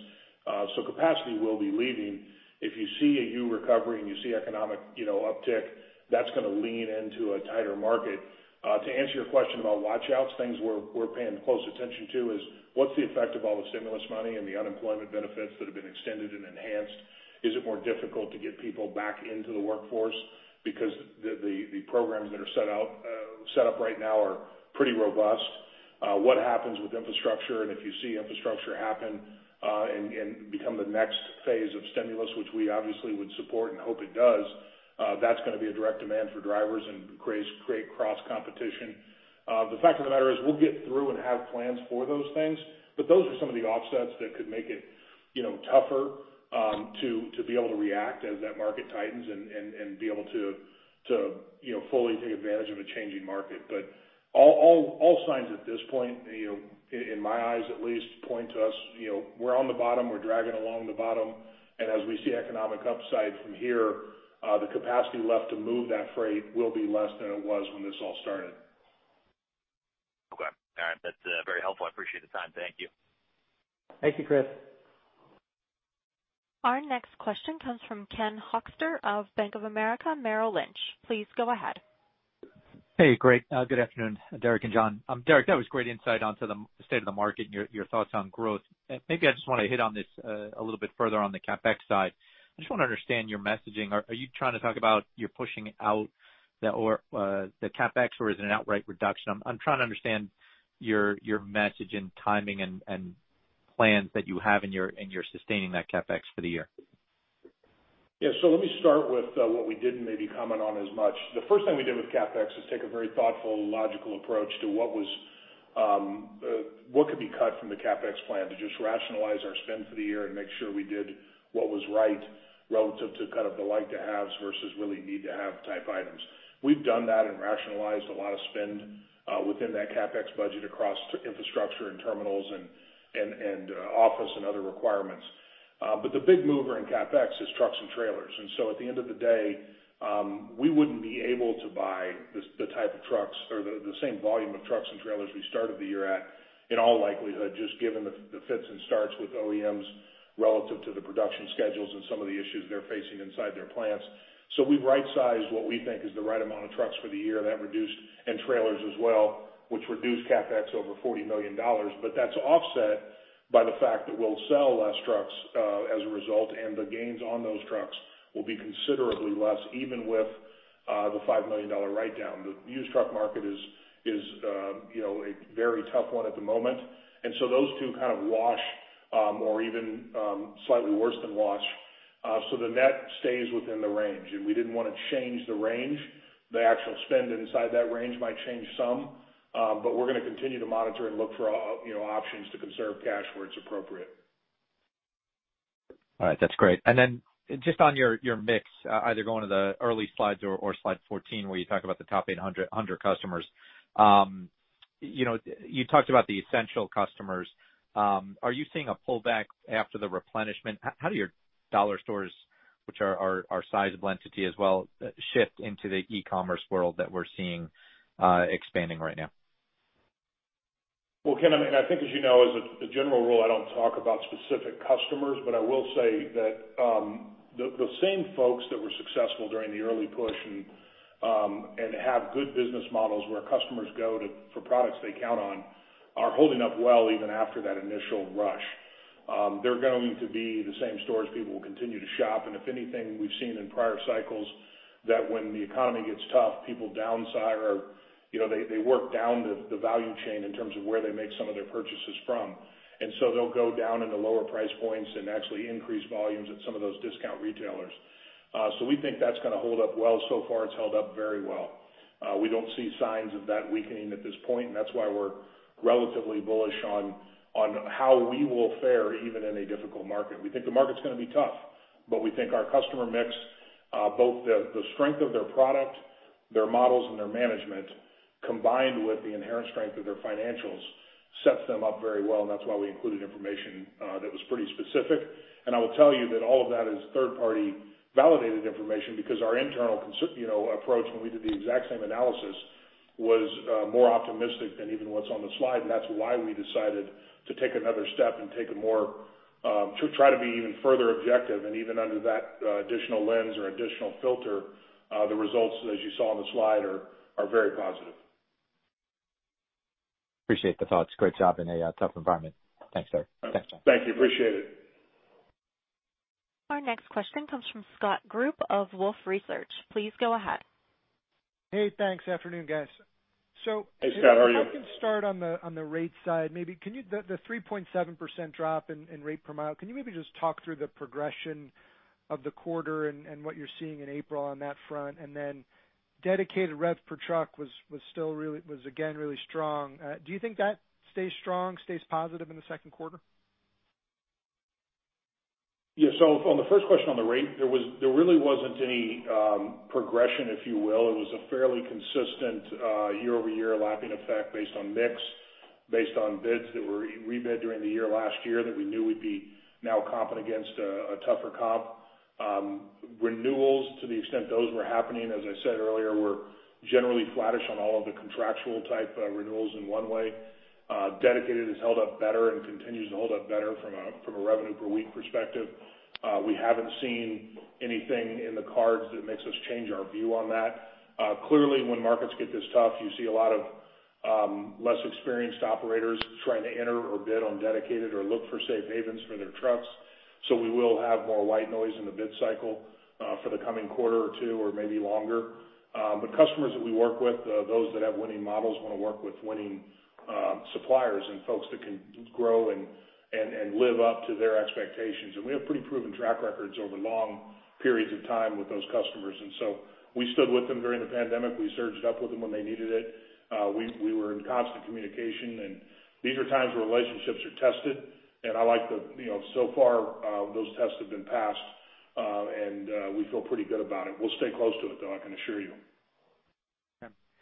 Capacity will be leaving. If you see a U recovery and you see economic uptick, that's going to lean into a tighter market. To answer your question about watch outs, things we're paying close attention to is what's the effect of all the stimulus money and the unemployment benefits that have been extended and enhanced? Is it more difficult to get people back into the workforce because the programs that are set up right now are pretty robust. What happens with infrastructure, and if you see infrastructure happen, and become the next phase of stimulus, which we obviously would support and hope it does, that's going to be a direct demand for drivers and create cross competition. The fact of the matter is, we'll get through and have plans for those things, but those are some of the offsets that could make it tougher to be able to react as that market tightens and be able to fully take advantage of a changing market. All signs at this point, in my eyes at least, point to us, we're on the bottom, we're dragging along the bottom, and as we see economic upside from here, the capacity left to move that freight will be less than it was when this all started. Okay. All right. That's very helpful. I appreciate the time. Thank you. Thank you, Chris. Our next question comes from Ken Hoexter of Bank of America, Merrill Lynch. Please go ahead. Hey, great. Good afternoon, Derek and John. Derek, that was great insight onto the state of the market and your thoughts on growth. Maybe I just want to hit on this a little bit further on the CapEx side. I just want to understand your messaging. Are you trying to talk about you're pushing out the CapEx, or is it an outright reduction? I'm trying to understand your message and timing and plans that you have in your sustaining that CapEx for the year. Let me start with what we didn't maybe comment on as much. The first thing we did with CapEx is take a very thoughtful, logical approach to what could be cut from the CapEx plan to just rationalize our spend for the year and make sure we did what was right relative to kind of the like to haves versus really need to have type items. We've done that and rationalized a lot of spend within that CapEx budget across infrastructure and terminals and office and other requirements. The big mover in CapEx is trucks and trailers. At the end of the day, we wouldn't be able to buy the type of trucks or the same volume of trucks and trailers we started the year at, in all likelihood, just given the fits and starts with OEMs relative to the production schedules and some of the issues they're facing inside their plants. We've right-sized what we think is the right amount of trucks for the year, and trailers as well, which reduced CapEx over $40 million. That's offset by the fact that we'll sell less trucks, as a result, and the gains on those trucks will be considerably less, even with the $5 million write-down. The used truck market is a very tough one at the moment, and so those two kind of wash, or even slightly worse than wash. The net stays within the range, and we didn't want to change the range. The actual spend inside that range might change some. We're going to continue to monitor and look for options to conserve cash where it's appropriate. All right. That's great. Then just on your mix, either going to the early slides or slide 14, where you talk about the top 800 customers. You talked about the essential customers. Are you seeing a pullback after the replenishment? How do your dollar stores, which are a sizable entity as well, shift into the e-commerce world that we're seeing expanding right now? Well, Ken, I think as you know, as a general rule, I don't talk about specific customers. I will say that the same folks that were successful during the early push and have good business models where customers go to for products they count on are holding up well even after that initial rush. They're going to be the same stores people will continue to shop. If anything, we've seen in prior cycles that when the economy gets tough, people downsize or they work down the value chain in terms of where they make some of their purchases from. They'll go down into lower price points and actually increase volumes at some of those discount retailers. We think that's going to hold up well. So far it's held up very well. We don't see signs of that weakening at this point. That's why we're relatively bullish on how we will fare even in a difficult market. We think the market's going to be tough, but we think our customer mix, both the strength of their product, their models, and their management, combined with the inherent strength of their financials, sets them up very well. That's why we included information that was pretty specific. I will tell you that all of that is third-party validated information because our internal approach when we did the exact same analysis was more optimistic than even what's on the slide. That's why we decided to take another step and to try to be even further objective. Even under that additional lens or additional filter, the results, as you saw on the slide, are very positive. Appreciate the thoughts. Great job in a tough environment. Thanks, Derek. Thanks, John. Thank you. Appreciate it. Our next question comes from Scott Group of Wolfe Research. Please go ahead. Hey, thanks. Afternoon, guys. Hey, Scott. How are you? If I can start on the rate side, maybe. The 3.7% drop in rate per mile, can you maybe just talk through the progression of the quarter and what you're seeing in April on that front? Dedicated rev per truck was again really strong. Do you think that stays strong, stays positive in the second quarter? On the first question on the rate, there really wasn't any progression, if you will. It was a fairly consistent year-over-year lapping effect based on mix, based on bids that were rebid during the year last year that we knew we'd be now comping against a tougher comp. Renewals, to the extent those were happening, as I said earlier, were generally flattish on all of the contractual type renewals in one way. Dedicated has held up better and continues to hold up better from a revenue per week perspective. We haven't seen anything in the cards that makes us change our view on that. Clearly, when markets get this tough, you see a lot of less experienced operators trying to enter or bid on dedicated or look for safe havens for their trucks. We will have more white noise in the bid cycle for the coming quarter or two or maybe longer. Customers that we work with, those that have winning models, want to work with winning suppliers and folks that can grow and live up to their expectations. We have pretty proven track records over long periods of time with those customers. We stood with them during the pandemic. We surged up with them when they needed it. We were in constant communication, and these are times where relationships are tested, and so far those tests have been passed. We feel pretty good about it. We'll stay close to it, though, I can assure you.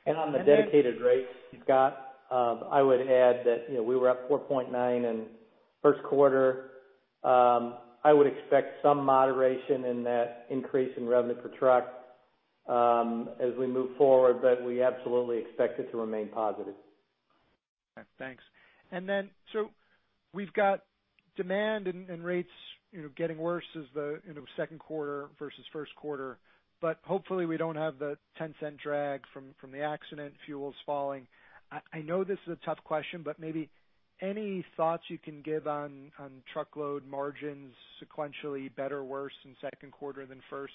On the dedicated rates, Scott, I would add that we were up 4.9% in first quarter. I would expect some moderation in that increase in revenue per truck as we move forward, but we absolutely expect it to remain positive. Okay, thanks. We've got demand and rates getting worse as the second quarter versus first quarter. Hopefully we don't have the $0.10 drag from the accident, fuel's falling. I know this is a tough question, but maybe any thoughts you can give on Truckload margins sequentially better, worse in second quarter than first?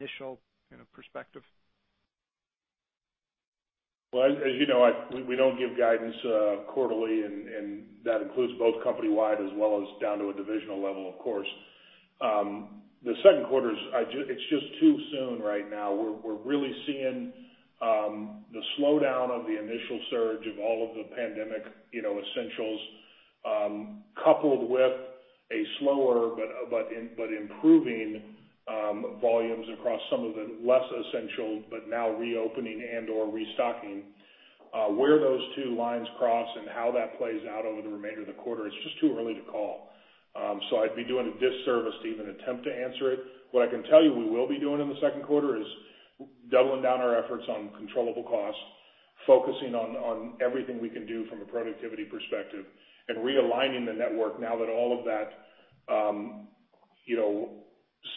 Initial perspective. Well, as you know, we don't give guidance quarterly, and that includes both company-wide as well as down to a divisional level, of course. The second quarter, it's just too soon right now. We're really seeing the slowdown of the initial surge of all of the pandemic essentials, coupled with a slower but improving volumes across some of the less essential, but now reopening and/or restocking. Where those two lines cross and how that plays out over the remainder of the quarter, it's just too early to call. I'd be doing a disservice to even attempt to answer it. What I can tell you we will be doing in the second quarter is doubling down our efforts on controllable costs, focusing on everything we can do from a productivity perspective, and realigning the network now that all of that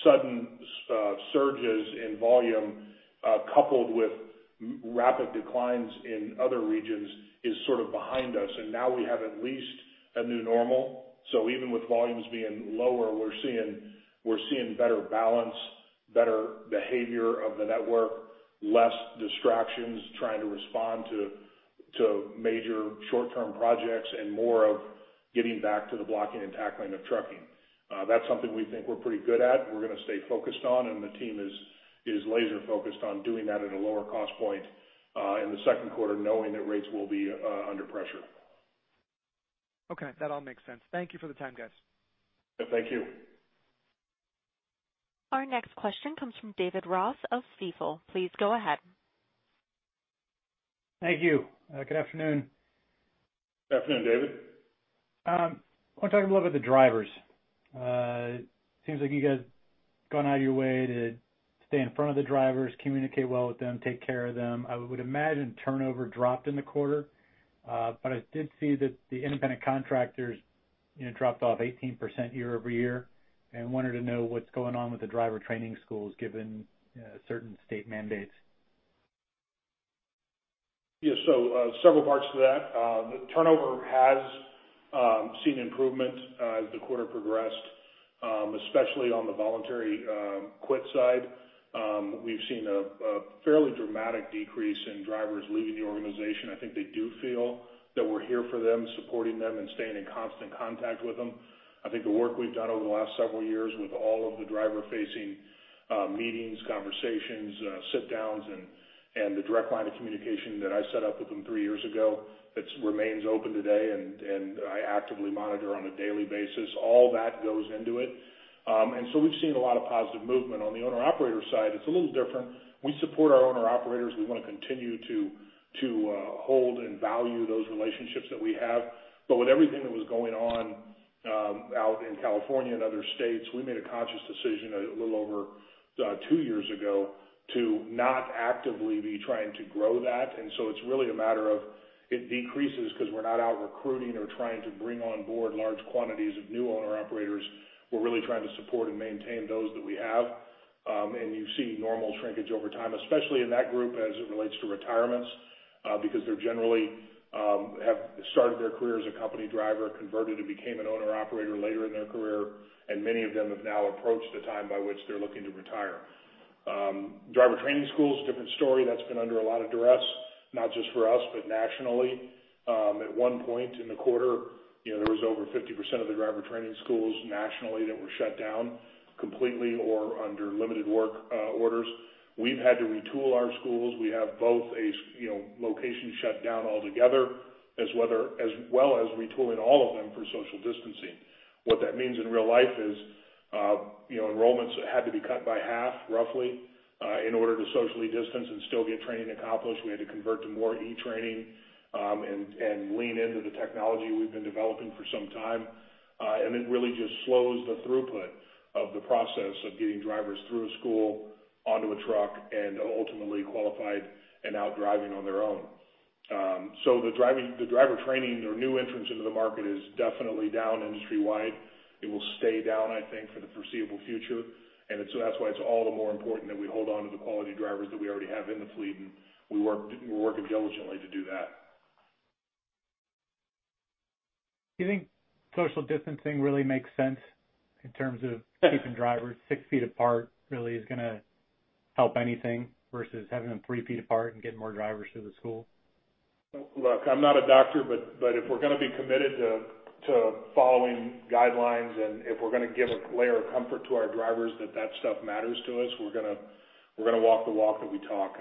sudden surges in volume, coupled with rapid declines in other regions, is sort of behind us. Now we have at least a new normal. Even with volumes being lower, we're seeing better balance, better behavior of the network, less distractions, trying to respond to major short-term projects, and more of getting back to the blocking and tackling of trucking. That's something we think we're pretty good at. We're going to stay focused on, and the team is laser focused on doing that at a lower cost point in the second quarter, knowing that rates will be under pressure. Okay, that all makes sense. Thank you for the time, guys. Thank you. Our next question comes from David Ross of Stifel. Please go ahead. Thank you. Good afternoon. Afternoon, David. I want to talk a little about the drivers. Seems like you guys have gone out of your way to stay in front of the drivers, communicate well with them, take care of them. I would imagine turnover dropped in the quarter. I did see that the independent contractors dropped off 18% year-over-year, and wanted to know what's going on with the driver training schools, given certain state mandates. Yeah. Several parts to that. Turnover has seen improvement as the quarter progressed, especially on the voluntary quit side. We've seen a fairly dramatic decrease in drivers leaving the organization. I think they do feel that we're here for them, supporting them, and staying in constant contact with them. I think the work we've done over the last several years with all of the driver-facing meetings, conversations, sit-downs, and the direct line of communication that I set up with them three years ago that remains open today, and I actively monitor on a daily basis. All that goes into it. We've seen a lot of positive movement. On the owner-operator side, it's a little different. We support our owner-operators. We want to continue to hold and value those relationships that we have. With everything that was going on out in California and other states, we made a conscious decision a little over two years ago to not actively be trying to grow that. It's really a matter of it decreases because we're not out recruiting or trying to bring on board large quantities of new owner-operators. We're really trying to support and maintain those that we have. You see normal shrinkage over time, especially in that group as it relates to retirements because they generally have started their career as a company driver, converted to became an owner-operator later in their career, and many of them have now approached a time by which they're looking to retire. Driver training school is a different story. That's been under a lot of duress, not just for us, but nationally. At one point in the quarter, there was over 50% of the driver training schools nationally that were shut down completely or under limited work orders. We've had to retool our schools. We have both a location shut down altogether, as well as retooling all of them for social distancing. What that means in real life is enrollments had to be cut by half, roughly, in order to socially distance and still get training accomplished. We had to convert to more e-training, and lean into the technology we've been developing for some time. It really just slows the throughput of the process of getting drivers through a school, onto a truck, and ultimately qualified and out driving on their own. The driver training or new entrants into the market is definitely down industry-wide. It will stay down, I think, for the foreseeable future. That's why it's all the more important that we hold onto the quality drivers that we already have in the fleet, and we're working diligently to do that. Do you think social distancing really makes sense in terms of keeping drivers six feet apart really is going to help anything versus having them three feet apart and getting more drivers through the school? Look, I'm not a doctor, but if we're going to be committed to following guidelines and if we're going to give a layer of comfort to our drivers that that stuff matters to us, we're going to walk the walk that we talk.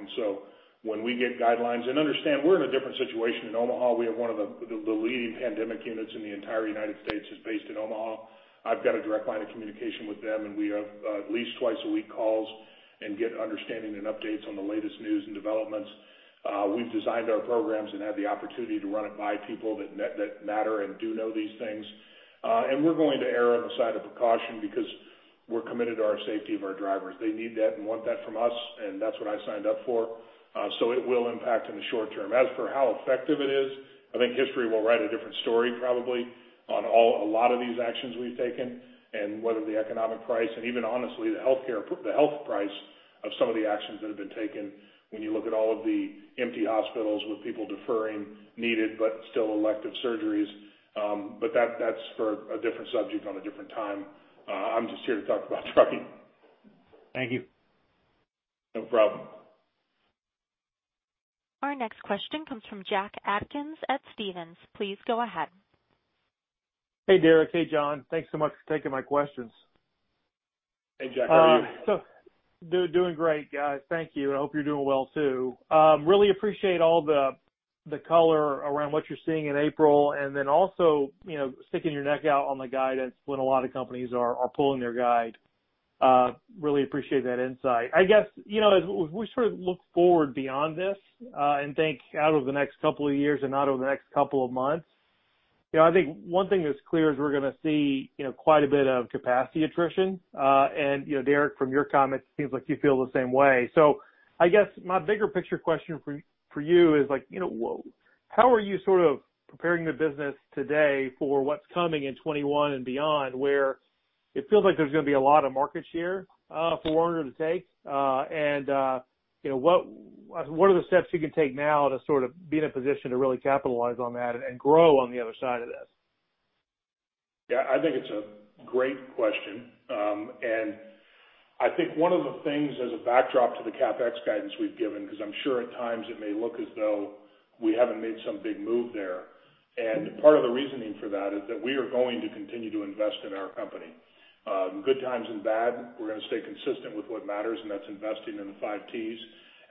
When we get guidelines, understand, we're in a different situation in Omaha. We have one of the leading pandemic units in the entire United States is based in Omaha. I've got a direct line of communication with them, and we have at least twice a week calls and get understanding and updates on the latest news and developments. We've designed our programs and had the opportunity to run it by people that matter and do know these things. We're going to err on the side of precaution because we're committed to our safety of our drivers. They need that and want that from us, and that's what I signed up for. It will impact in the short term. As for how effective it is, I think history will write a different story probably on a lot of these actions we've taken and what are the economic price and even honestly, the health price of some of the actions that have been taken when you look at all of the empty hospitals with people deferring needed but still elective surgeries. That's for a different subject on a different time. I'm just here to talk about trucking. Thank you. No problem. Our next question comes from Jack Atkins at Stephens. Please go ahead. Hey, Derek. Hey, John. Thanks so much for taking my questions. Hey, Jack. How are you? Doing great, guys. Thank you. I hope you're doing well, too. Really appreciate all the color around what you're seeing in April, and then also sticking your neck out on the guidance when a lot of companies are pulling their guide. Really appreciate that insight. I guess, as we sort of look forward beyond this, and think out of the next couple of years and not over the next couple of months, I think one thing that's clear is we're going to see quite a bit of capacity attrition. Derek, from your comments, seems like you feel the same way. I guess my bigger picture question for you is how are you sort of preparing the business today for what's coming in 2021 and beyond where it feels like there's going to be a lot of market share for Werner to take? What are the steps you can take now to sort of be in a position to really capitalize on that and grow on the other side of this? Yeah, I think it's a great question. I think one of the things as a backdrop to the CapEx guidance we've given, because I'm sure at times it may look as though we haven't made some big move there. Part of the reasoning for that is that we are going to continue to invest in our company. Good times and bad, we're going to stay consistent with what matters, and that's investing in the Five T's.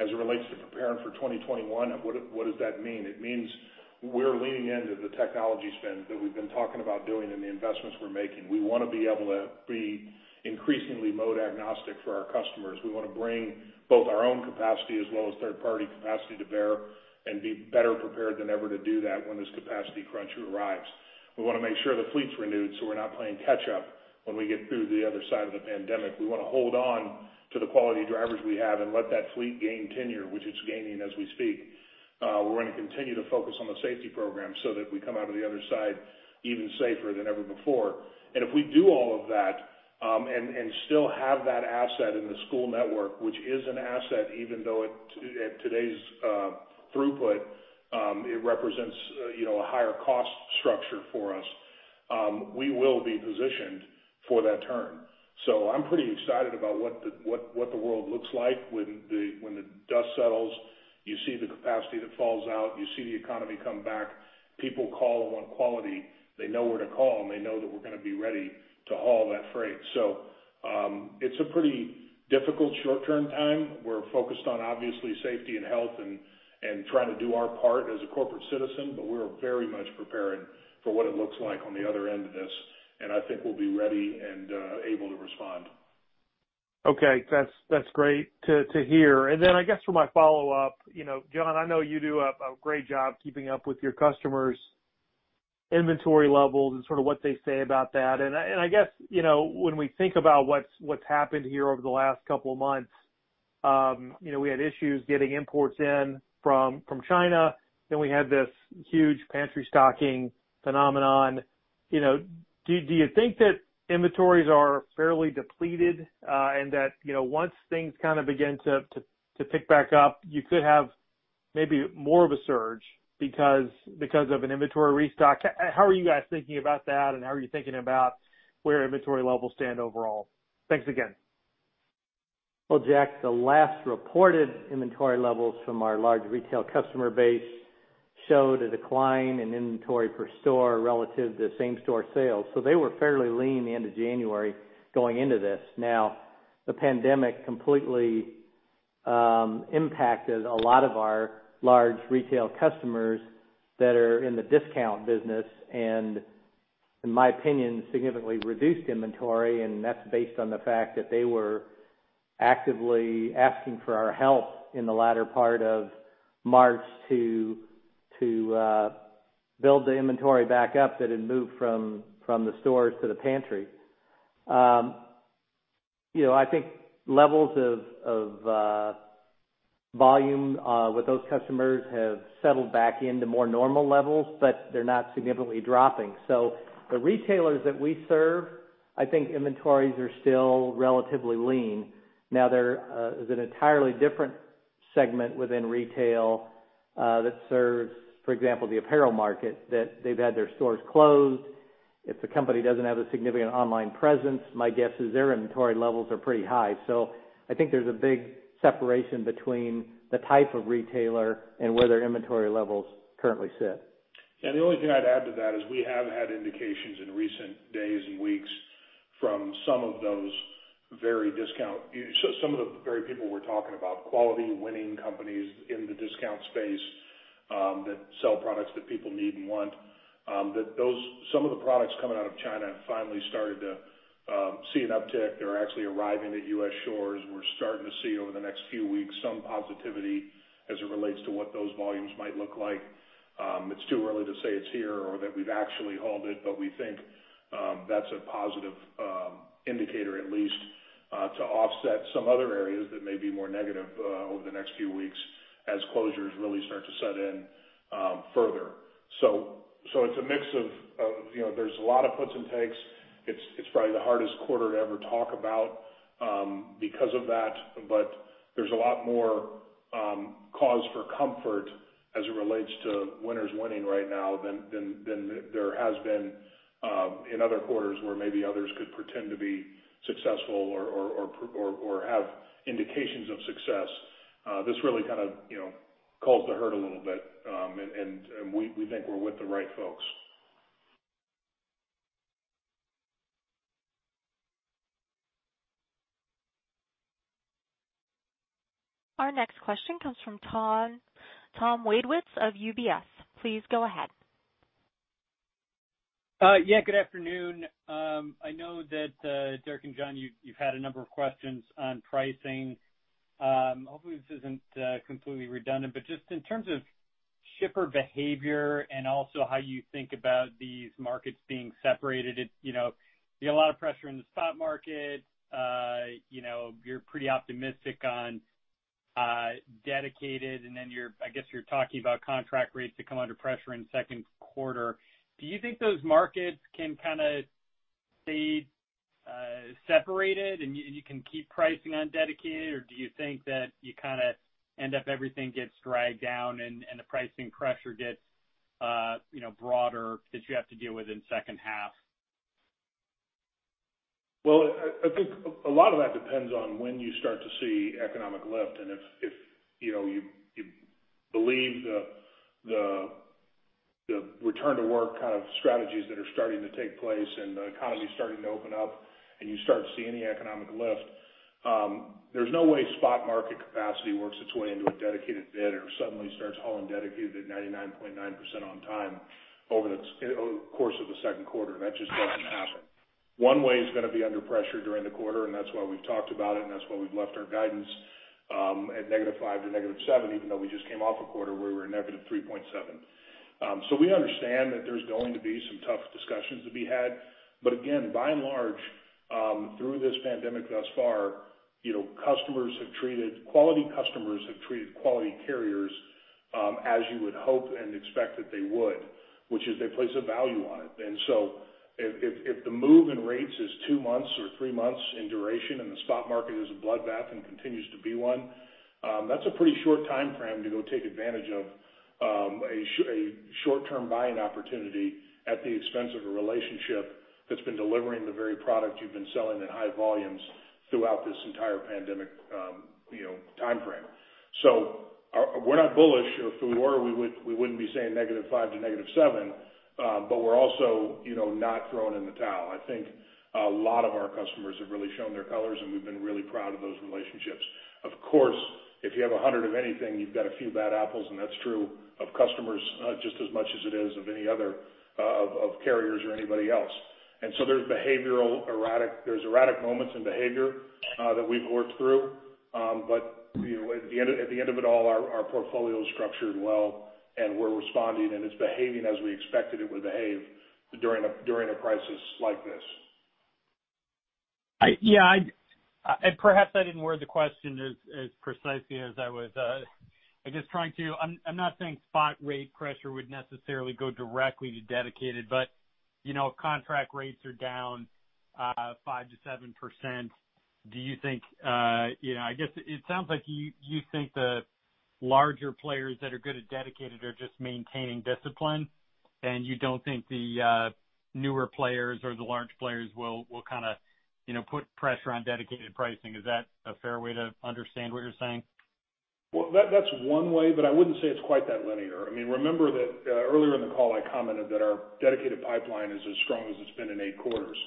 As it relates to preparing for 2021, what does that mean? It means we're leaning into the technology spend that we've been talking about doing and the investments we're making. We want to be able to be increasingly mode agnostic for our customers. We want to bring both our own capacity as well as third-party capacity to bear and be better prepared than ever to do that when this capacity crunch arrives. We want to make sure the fleet's renewed so we're not playing catch up when we get through the other side of the pandemic. We want to hold on to the quality drivers we have and let that fleet gain tenure, which it's gaining as we speak. We're going to continue to focus on the safety program so that we come out of the other side even safer than ever before. If we do all of that, and still have that asset in the school network, which is an asset, even though at today's throughput, it represents a higher cost structure for us, we will be positioned for that turn. I'm pretty excited about what the world looks like when the dust settles. You see the capacity that falls out. You see the economy come back. People call and want quality. They know where to call, and they know that we're going to be ready to haul that freight. It's a pretty difficult short-term time. We're focused on obviously safety and health and trying to do our part as a corporate citizen, but we're very much preparing for what it looks like on the other end of this, and I think we'll be ready and able to respond. Okay. That's great to hear. I guess for my follow-up, John, I know you do a great job keeping up with your customers' inventory levels and sort of what they say about that. I guess, when we think about what's happened here over the last couple of months, we had issues getting imports in from China, then we had this huge pantry stocking phenomenon. Do you think that inventories are fairly depleted, and that once things kind of begin to pick back up, you could have maybe more of a surge because of an inventory restock? How are you guys thinking about that, and how are you thinking about where inventory levels stand overall? Thanks again. Jack, the last reported inventory levels from our large retail customer base show the decline in inventory per store relative to same store sales. They were fairly lean the end of January going into this. The pandemic completely impacted a lot of our large retail customers that are in the discount business, and in my opinion, significantly reduced inventory, and that's based on the fact that they were actively asking for our help in the latter part of March to build the inventory back up that had moved from the stores to the pantry. I think levels of volume with those customers have settled back into more normal levels, they are not significantly dropping. The retailers that we serve, I think inventories are still relatively lean. There is an entirely different segment within retail that serves, for example, the apparel market that they have had their stores closed. If the company doesn't have a significant online presence, my guess is their inventory levels are pretty high. I think there is a big separation between the type of retailer and where their inventory levels currently sit. The only thing I would add to that is we have had indications in recent days and weeks from some of those very people we are talking about, quality winning companies in the discount space, that sell products that people need and want, that some of the products coming out of China have finally started to see an uptick. They are actually arriving at U.S. shores. We are starting to see over the next few weeks some positivity as it relates to what those volumes might look like. It is too early to say it is here or that we have actually hauled it, but we think that is a positive indicator at least to offset some other areas that may be more negative over the next few weeks as closures really start to set in further. It is a mix of, there is a lot of puts and takes. It is probably the hardest quarter to ever talk about because of that. There is a lot more cause for comfort as it relates to winners winning right now than there has been in other quarters where maybe others could pretend to be successful or have indications of success. This really kind of culled the herd a little bit, and we think we are with the right folks. Our next question comes from Thomas Wadewitz of UBS. Please go ahead. Good afternoon. I know that, Derek and John, you have had a number of questions on pricing. Hopefully this isn't completely redundant, but just in terms of shipper behavior and also how you think about these markets being separated. You have a lot of pressure in the spot market. You are pretty optimistic on dedicated, and then I guess you are talking about contract rates that come under pressure in second quarter. Do you think those markets can kind of stay separated, and you can keep pricing on dedicated? Do you think that you kind of end up everything gets dragged down, and the pricing pressure gets broader that you have to deal with in second half? Well, I think a lot of that depends on when you start to see economic lift. If you believe the return to work kind of strategies that are starting to take place and the economy is starting to open up and you start seeing the economic lift, there is no way spot market capacity works its way into a dedicated bid or suddenly starts hauling dedicated at 99.9% on time over the course of the second quarter. That just doesn't happen. One way is going to be under pressure during the quarter, and that is why we have talked about it, and that is why we have left our guidance at -5 to -7, even though we just came off a quarter where we were -3.7. We understand that there is going to be some tough discussions to be had. Again, by and large, through this pandemic thus far, quality customers have treated quality carriers as you would hope and expect that they would, which is they place a value on it. If the move in rates is two months or three months in duration, and the spot market is a bloodbath and continues to be one, that is a pretty short timeframe to go take advantage of a short-term buying opportunity at the expense of a relationship that's been delivering the very product you've been selling at high volumes throughout this entire pandemic timeframe. We are not bullish. If we were, we wouldn't be saying -5% to -7%. We are also not throwing in the towel. I think a lot of our customers have really shown their colors, and we have been really proud of those relationships. Of course, if you have 100 of anything, you have got a few bad apples, and that is true of customers just as much as it is of any other of carriers or anybody else. There is behavioral erratic. There is erratic moments in behavior that we have worked through. At the end of it all, our portfolio is structured well, and we are responding, and it is behaving as we expected it would behave during a crisis like this. Yeah. Perhaps I didn't word the question as precisely as I was I guess trying to I'm not saying spot rate pressure would necessarily go directly to dedicated, but contract rates are down 5% to 7%. It sounds like you think the larger players that are good at dedicated are just maintaining discipline, and you don't think the newer players or the large players will kind of put pressure on dedicated pricing. Is that a fair way to understand what you are saying? That's one way, but I wouldn't say it's quite that linear. Remember that earlier in the call, I commented that our dedicated pipeline is as strong as it's been in eight quarters.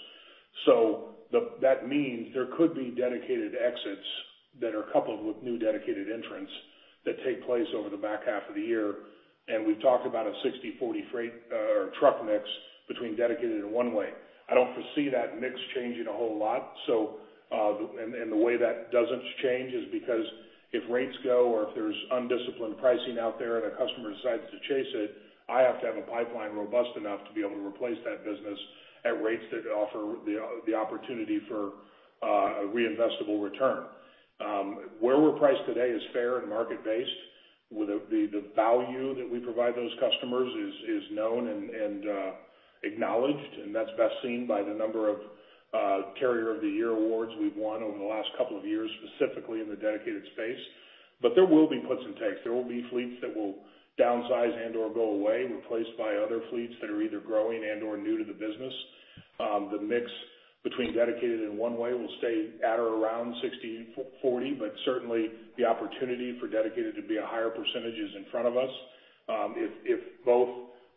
That means there could be dedicated exits that are coupled with new dedicated entrants that take place over the back half of the year. We have talked about a 60/40 truck mix between dedicated and one way. I don't foresee that mix changing a whole lot. The way that doesn't change is because if rates go, or if there's undisciplined pricing out there and a customer decides to chase it, I have to have a pipeline robust enough to be able to replace that business at rates that offer the opportunity for a reinvestible return. Where we are priced today is fair and market-based. The value that we provide those customers is known and acknowledged, that's best seen by the number of Carrier of the Year awards we've won over the last couple of years, specifically in the dedicated space. There will be puts and takes. There will be fleets that will downsize and/or go away, replaced by other fleets that are either growing and/or new to the business. The mix between dedicated and one-way will stay at or around 60/40. Certainly the opportunity for dedicated to be a higher percentage is in front of us. If both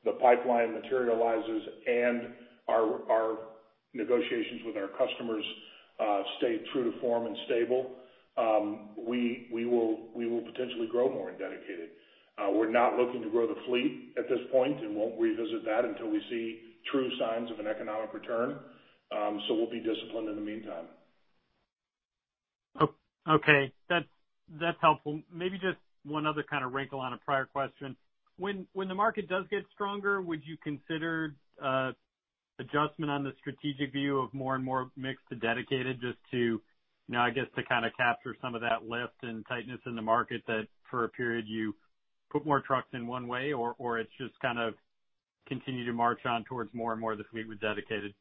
the pipeline materializes and our negotiations with our customers stay true to form and stable, we will potentially grow more in dedicated. We're not looking to grow the fleet at this point, and won't revisit that until we see true signs of an economic return. We'll be disciplined in the meantime. Okay. That's helpful. Maybe just one other kind of wrinkle on a prior question. When the market does get stronger, would you consider adjustment on the strategic view of more and more mix to dedicated, just to, I guess, to kind of capture some of that lift and tightness in the market that for a period you put more trucks in one way or it's just kind of continue to march on towards more and more of the fleet with dedicated?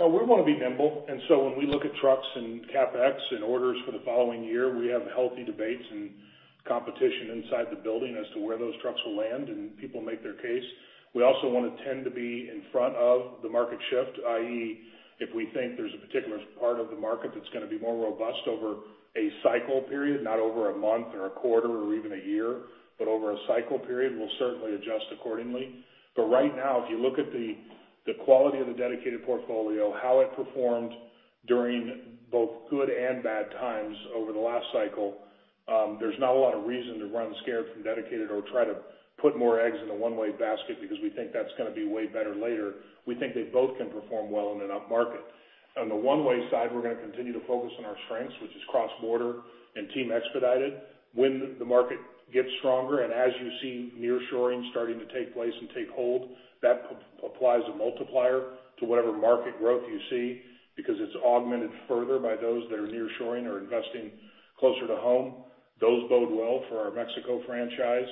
We want to be nimble. When we look at trucks and CapEx and orders for the following year, we have healthy debates and competition inside the building as to where those trucks will land, and people make their case. We also want to tend to be in front of the market shift, i.e., if we think there's a particular part of the market that's going to be more robust over a cycle period, not over a month or a quarter or even a year, but over a cycle period, we'll certainly adjust accordingly. Right now, if you look at the quality of the dedicated portfolio, how it performed during both good and bad times over the last cycle, there's not a lot of reason to run scared from dedicated or try to put more eggs in the one-way basket because we think that's going to be way better later. We think they both can perform well in an upmarket. On the one-way side, we're going to continue to focus on our strengths, which is cross-border and team expedited. When the market gets stronger, and as you see nearshoring starting to take place and take hold, that applies a multiplier to whatever market growth you see because it's augmented further by those that are nearshoring or investing closer to home. Those bode well for our Mexico franchise.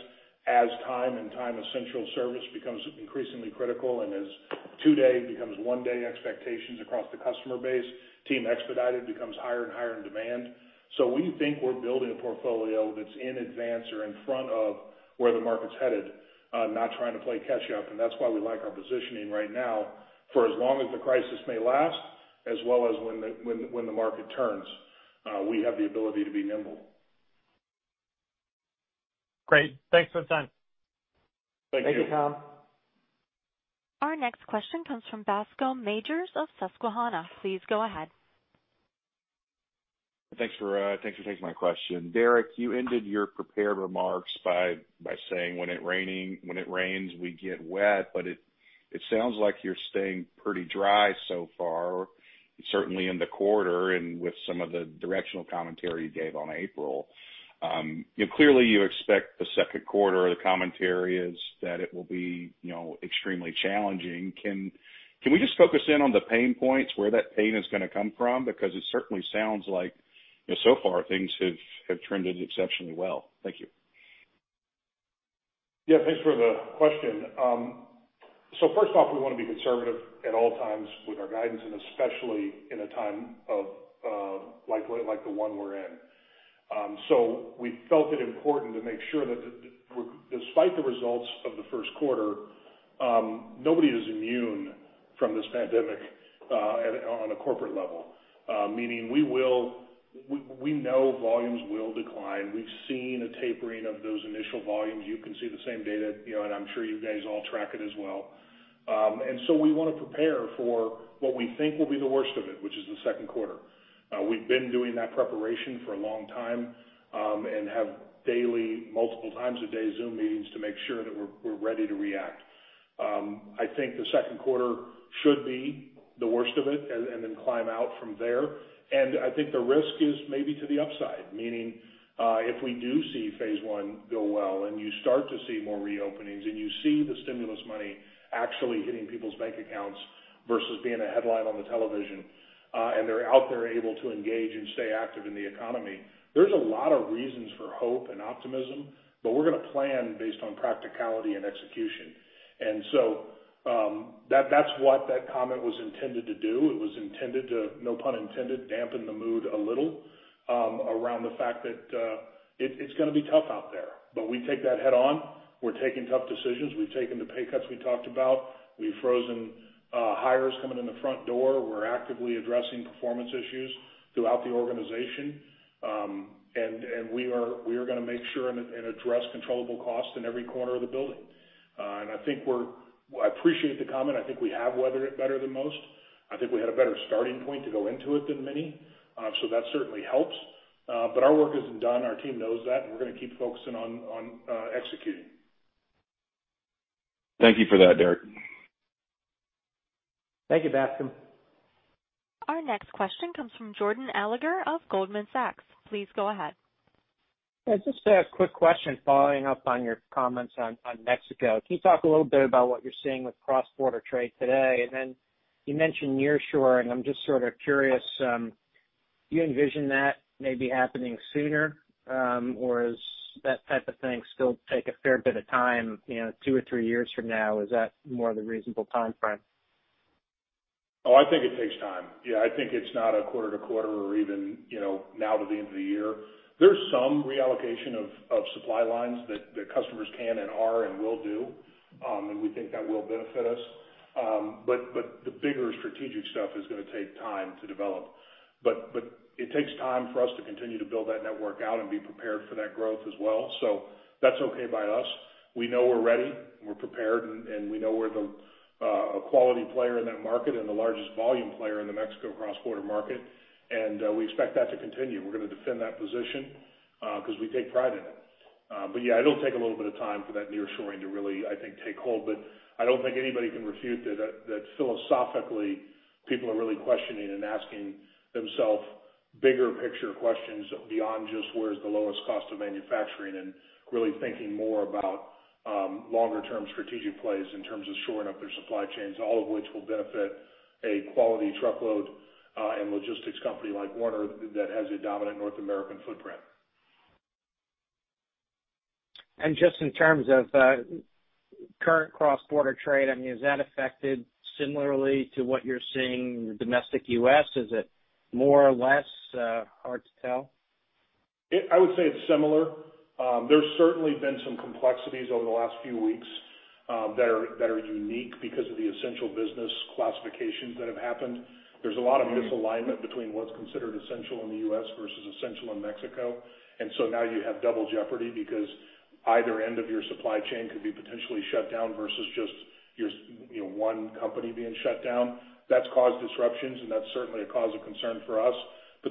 As time and time essential service becomes increasingly critical, and as two-day becomes one-day expectations across the customer base, team expedited becomes higher and higher in demand. We think we're building a portfolio that's in advance or in front of where the market's headed, not trying to play catch up. That's why we like our positioning right now for as long as the crisis may last, as well as when the market turns. We have the ability to be nimble. Great. Thanks for the time. Thank you. Thank you, Tom. Our next question comes from Bascome Majors of Susquehanna. Please go ahead. Thanks for taking my question. Derek, you ended your prepared remarks by saying, when it rains, we get wet, but it sounds like you're staying pretty dry so far, certainly in the quarter and with some of the directional commentary you gave on April. Clearly you expect the second quarter, the commentary is that it will be extremely challenging. Can we just focus in on the pain points, where that pain is going to come from? It certainly sounds like so far things have trended exceptionally well. Thank you. Yeah, thanks for the question. First off, we want to be conservative at all times with our guidance and especially in a time like the one we're in. We felt it important to make sure that despite the results of the first quarter, nobody is immune from this pandemic on a corporate level. Meaning we know volumes will decline. We've seen a tapering of those initial volumes. You can see the same data, I'm sure you guys all track it as well. We want to prepare for what we think will be the worst of it, which is the second quarter. We've been doing that preparation for a long time, have daily, multiple times a day Zoom meetings to make sure that we're ready to react. I think the second quarter should be the worst of it, climb out from there. I think the risk is maybe to the upside, meaning if we do see phase I go well and you start to see more reopenings and you see the stimulus money actually hitting people's bank accounts versus being a headline on the television, and they're out there able to engage and stay active in the economy. There's a lot of reasons for hope and optimism, but we're going to plan based on practicality and execution. That's what that comment was intended to do. It was intended to, no pun intended, dampen the mood a little around the fact that it's going to be tough out there. We take that head on. We're taking tough decisions. We've taken the pay cuts we talked about. We've frozen hires coming in the front door. We're actively addressing performance issues throughout the organization. We are going to make sure and address controllable costs in every corner of the building. I appreciate the comment. I think we have weathered it better than most. I think we had a better starting point to go into it than many. That certainly helps. Our work isn't done. Our team knows that, and we're going to keep focusing on executing. Thank you for that, Derek. Thank you, Bascome. Our next question comes from Jordan Alliger of Goldman Sachs. Please go ahead. Yeah, just a quick question following up on your comments on Mexico. Can you talk a little bit about what you're seeing with cross-border trade today? You mentioned nearshoring. I'm just sort of curious. Do you envision that maybe happening sooner? Is that type of thing still take a fair bit of time, two or three years from now? Is that more of the reasonable timeframe? I think it takes time. Yeah, I think it's not a quarter to quarter or even now to the end of the year. There's some reallocation of supply lines that customers can and are and will do. We think that will benefit us. The bigger strategic stuff is going to take time to develop. It takes time for us to continue to build that network out and be prepared for that growth as well. That's okay by us. We know we're ready, we're prepared, and we know we're a quality player in that market and the largest volume player in the Mexico cross-border market. We expect that to continue. We're going to defend that position because we take pride in it. Yeah, it'll take a little bit of time for that nearshoring to really, I think, take hold, but I don't think anybody can refute that philosophically, people are really questioning and asking themselves bigger picture questions beyond just where's the lowest cost of manufacturing and really thinking more about longer term strategic plays in terms of shoring up their supply chains, all of which will benefit a quality truckload and logistics company like Werner that has a dominant North American footprint. Just in terms of current cross-border trade, is that affected similarly to what you're seeing in domestic U.S.? Is it more or less hard to tell? I would say it's similar. There's certainly been some complexities over the last few weeks that are unique because of the essential business classifications that have happened. There's a lot of misalignment between what's considered essential in the U.S. versus essential in Mexico. Now you have double jeopardy because either end of your supply chain could be potentially shut down versus just one company being shut down. That's caused disruptions, and that's certainly a cause of concern for us.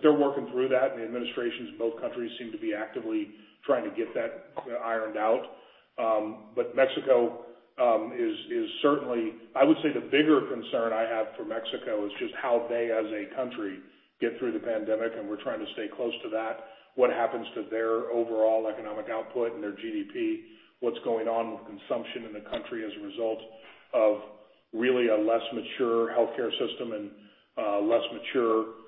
They're working through that, and the administrations of both countries seem to be actively trying to get that ironed out. Mexico is certainly I would say the bigger concern I have for Mexico is just how they as a country, get through the pandemic, and we're trying to stay close to that. What happens to their overall economic output and their GDP? What's going on with consumption in the country as a result of really a less mature healthcare system and a less mature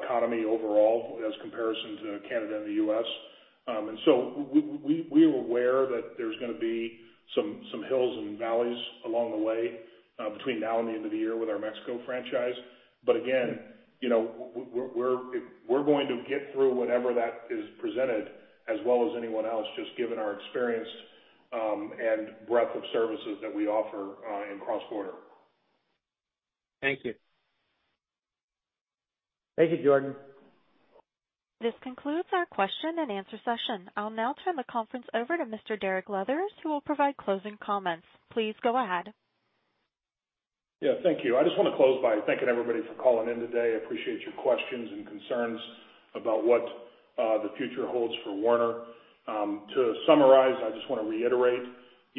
economy overall as comparison to Canada and the U.S.? We're aware that there's going to be some hills and valleys along the way between now and the end of the year with our Mexico franchise. Again, we're going to get through whatever that is presented as well as anyone else, just given our experience and breadth of services that we offer in cross-border. Thank you. Thank you, Jordan. This concludes our question and answer session. I'll now turn the conference over to Mr. Derek Leathers, who will provide closing comments. Please go ahead. Yeah, thank you. I just want to close by thanking everybody for calling in today. I appreciate your questions and concerns about what the future holds for Werner. To summarize, I just want to reiterate,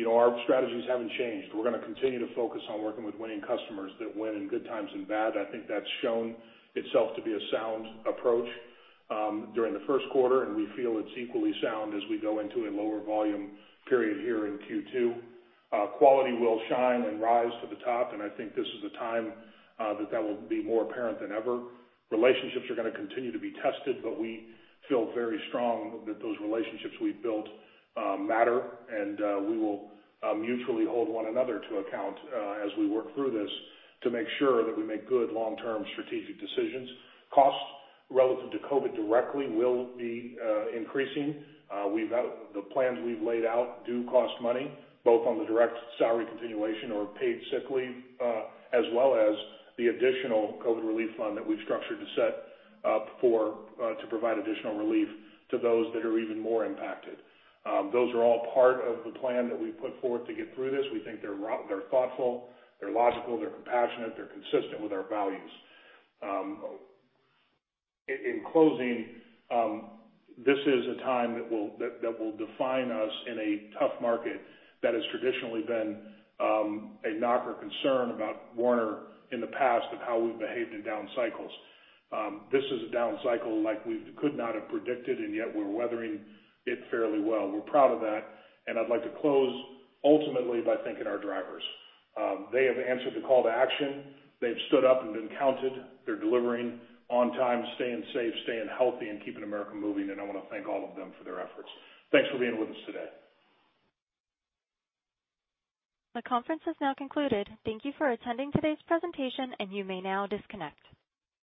our strategies haven't changed. We're going to continue to focus on working with winning customers that win in good times and bad. I think that's shown itself to be a sound approach during the first quarter, and we feel it's equally sound as we go into a lower volume period here in Q2. Quality will shine and rise to the top, and I think this is a time that will be more apparent than ever. Relationships are going to continue to be tested, but we feel very strong that those relationships we've built matter, and we will mutually hold one another to account as we work through this to make sure that we make good long-term strategic decisions. Costs relative to COVID directly will be increasing. The plans we've laid out do cost money, both on the direct salary continuation or paid sick leave, as well as the additional COVID Relief Fund that we've structured to set up to provide additional relief to those that are even more impacted. Those are all part of the plan that we put forward to get through this. We think they're thoughtful, they're logical, they're compassionate, they're consistent with our values. In closing, this is a time that will define us in a tough market that has traditionally been a knock or concern about Werner in the past of how we've behaved in down cycles. Yet we're weathering it fairly well. We're proud of that. I'd like to close ultimately by thanking our drivers. They have answered the call to action. They've stood up and been counted. They're delivering on time, staying safe, staying healthy, and keeping America moving. I want to thank all of them for their efforts. Thanks for being with us today. The conference has now concluded. Thank you for attending today's presentation. You may now disconnect.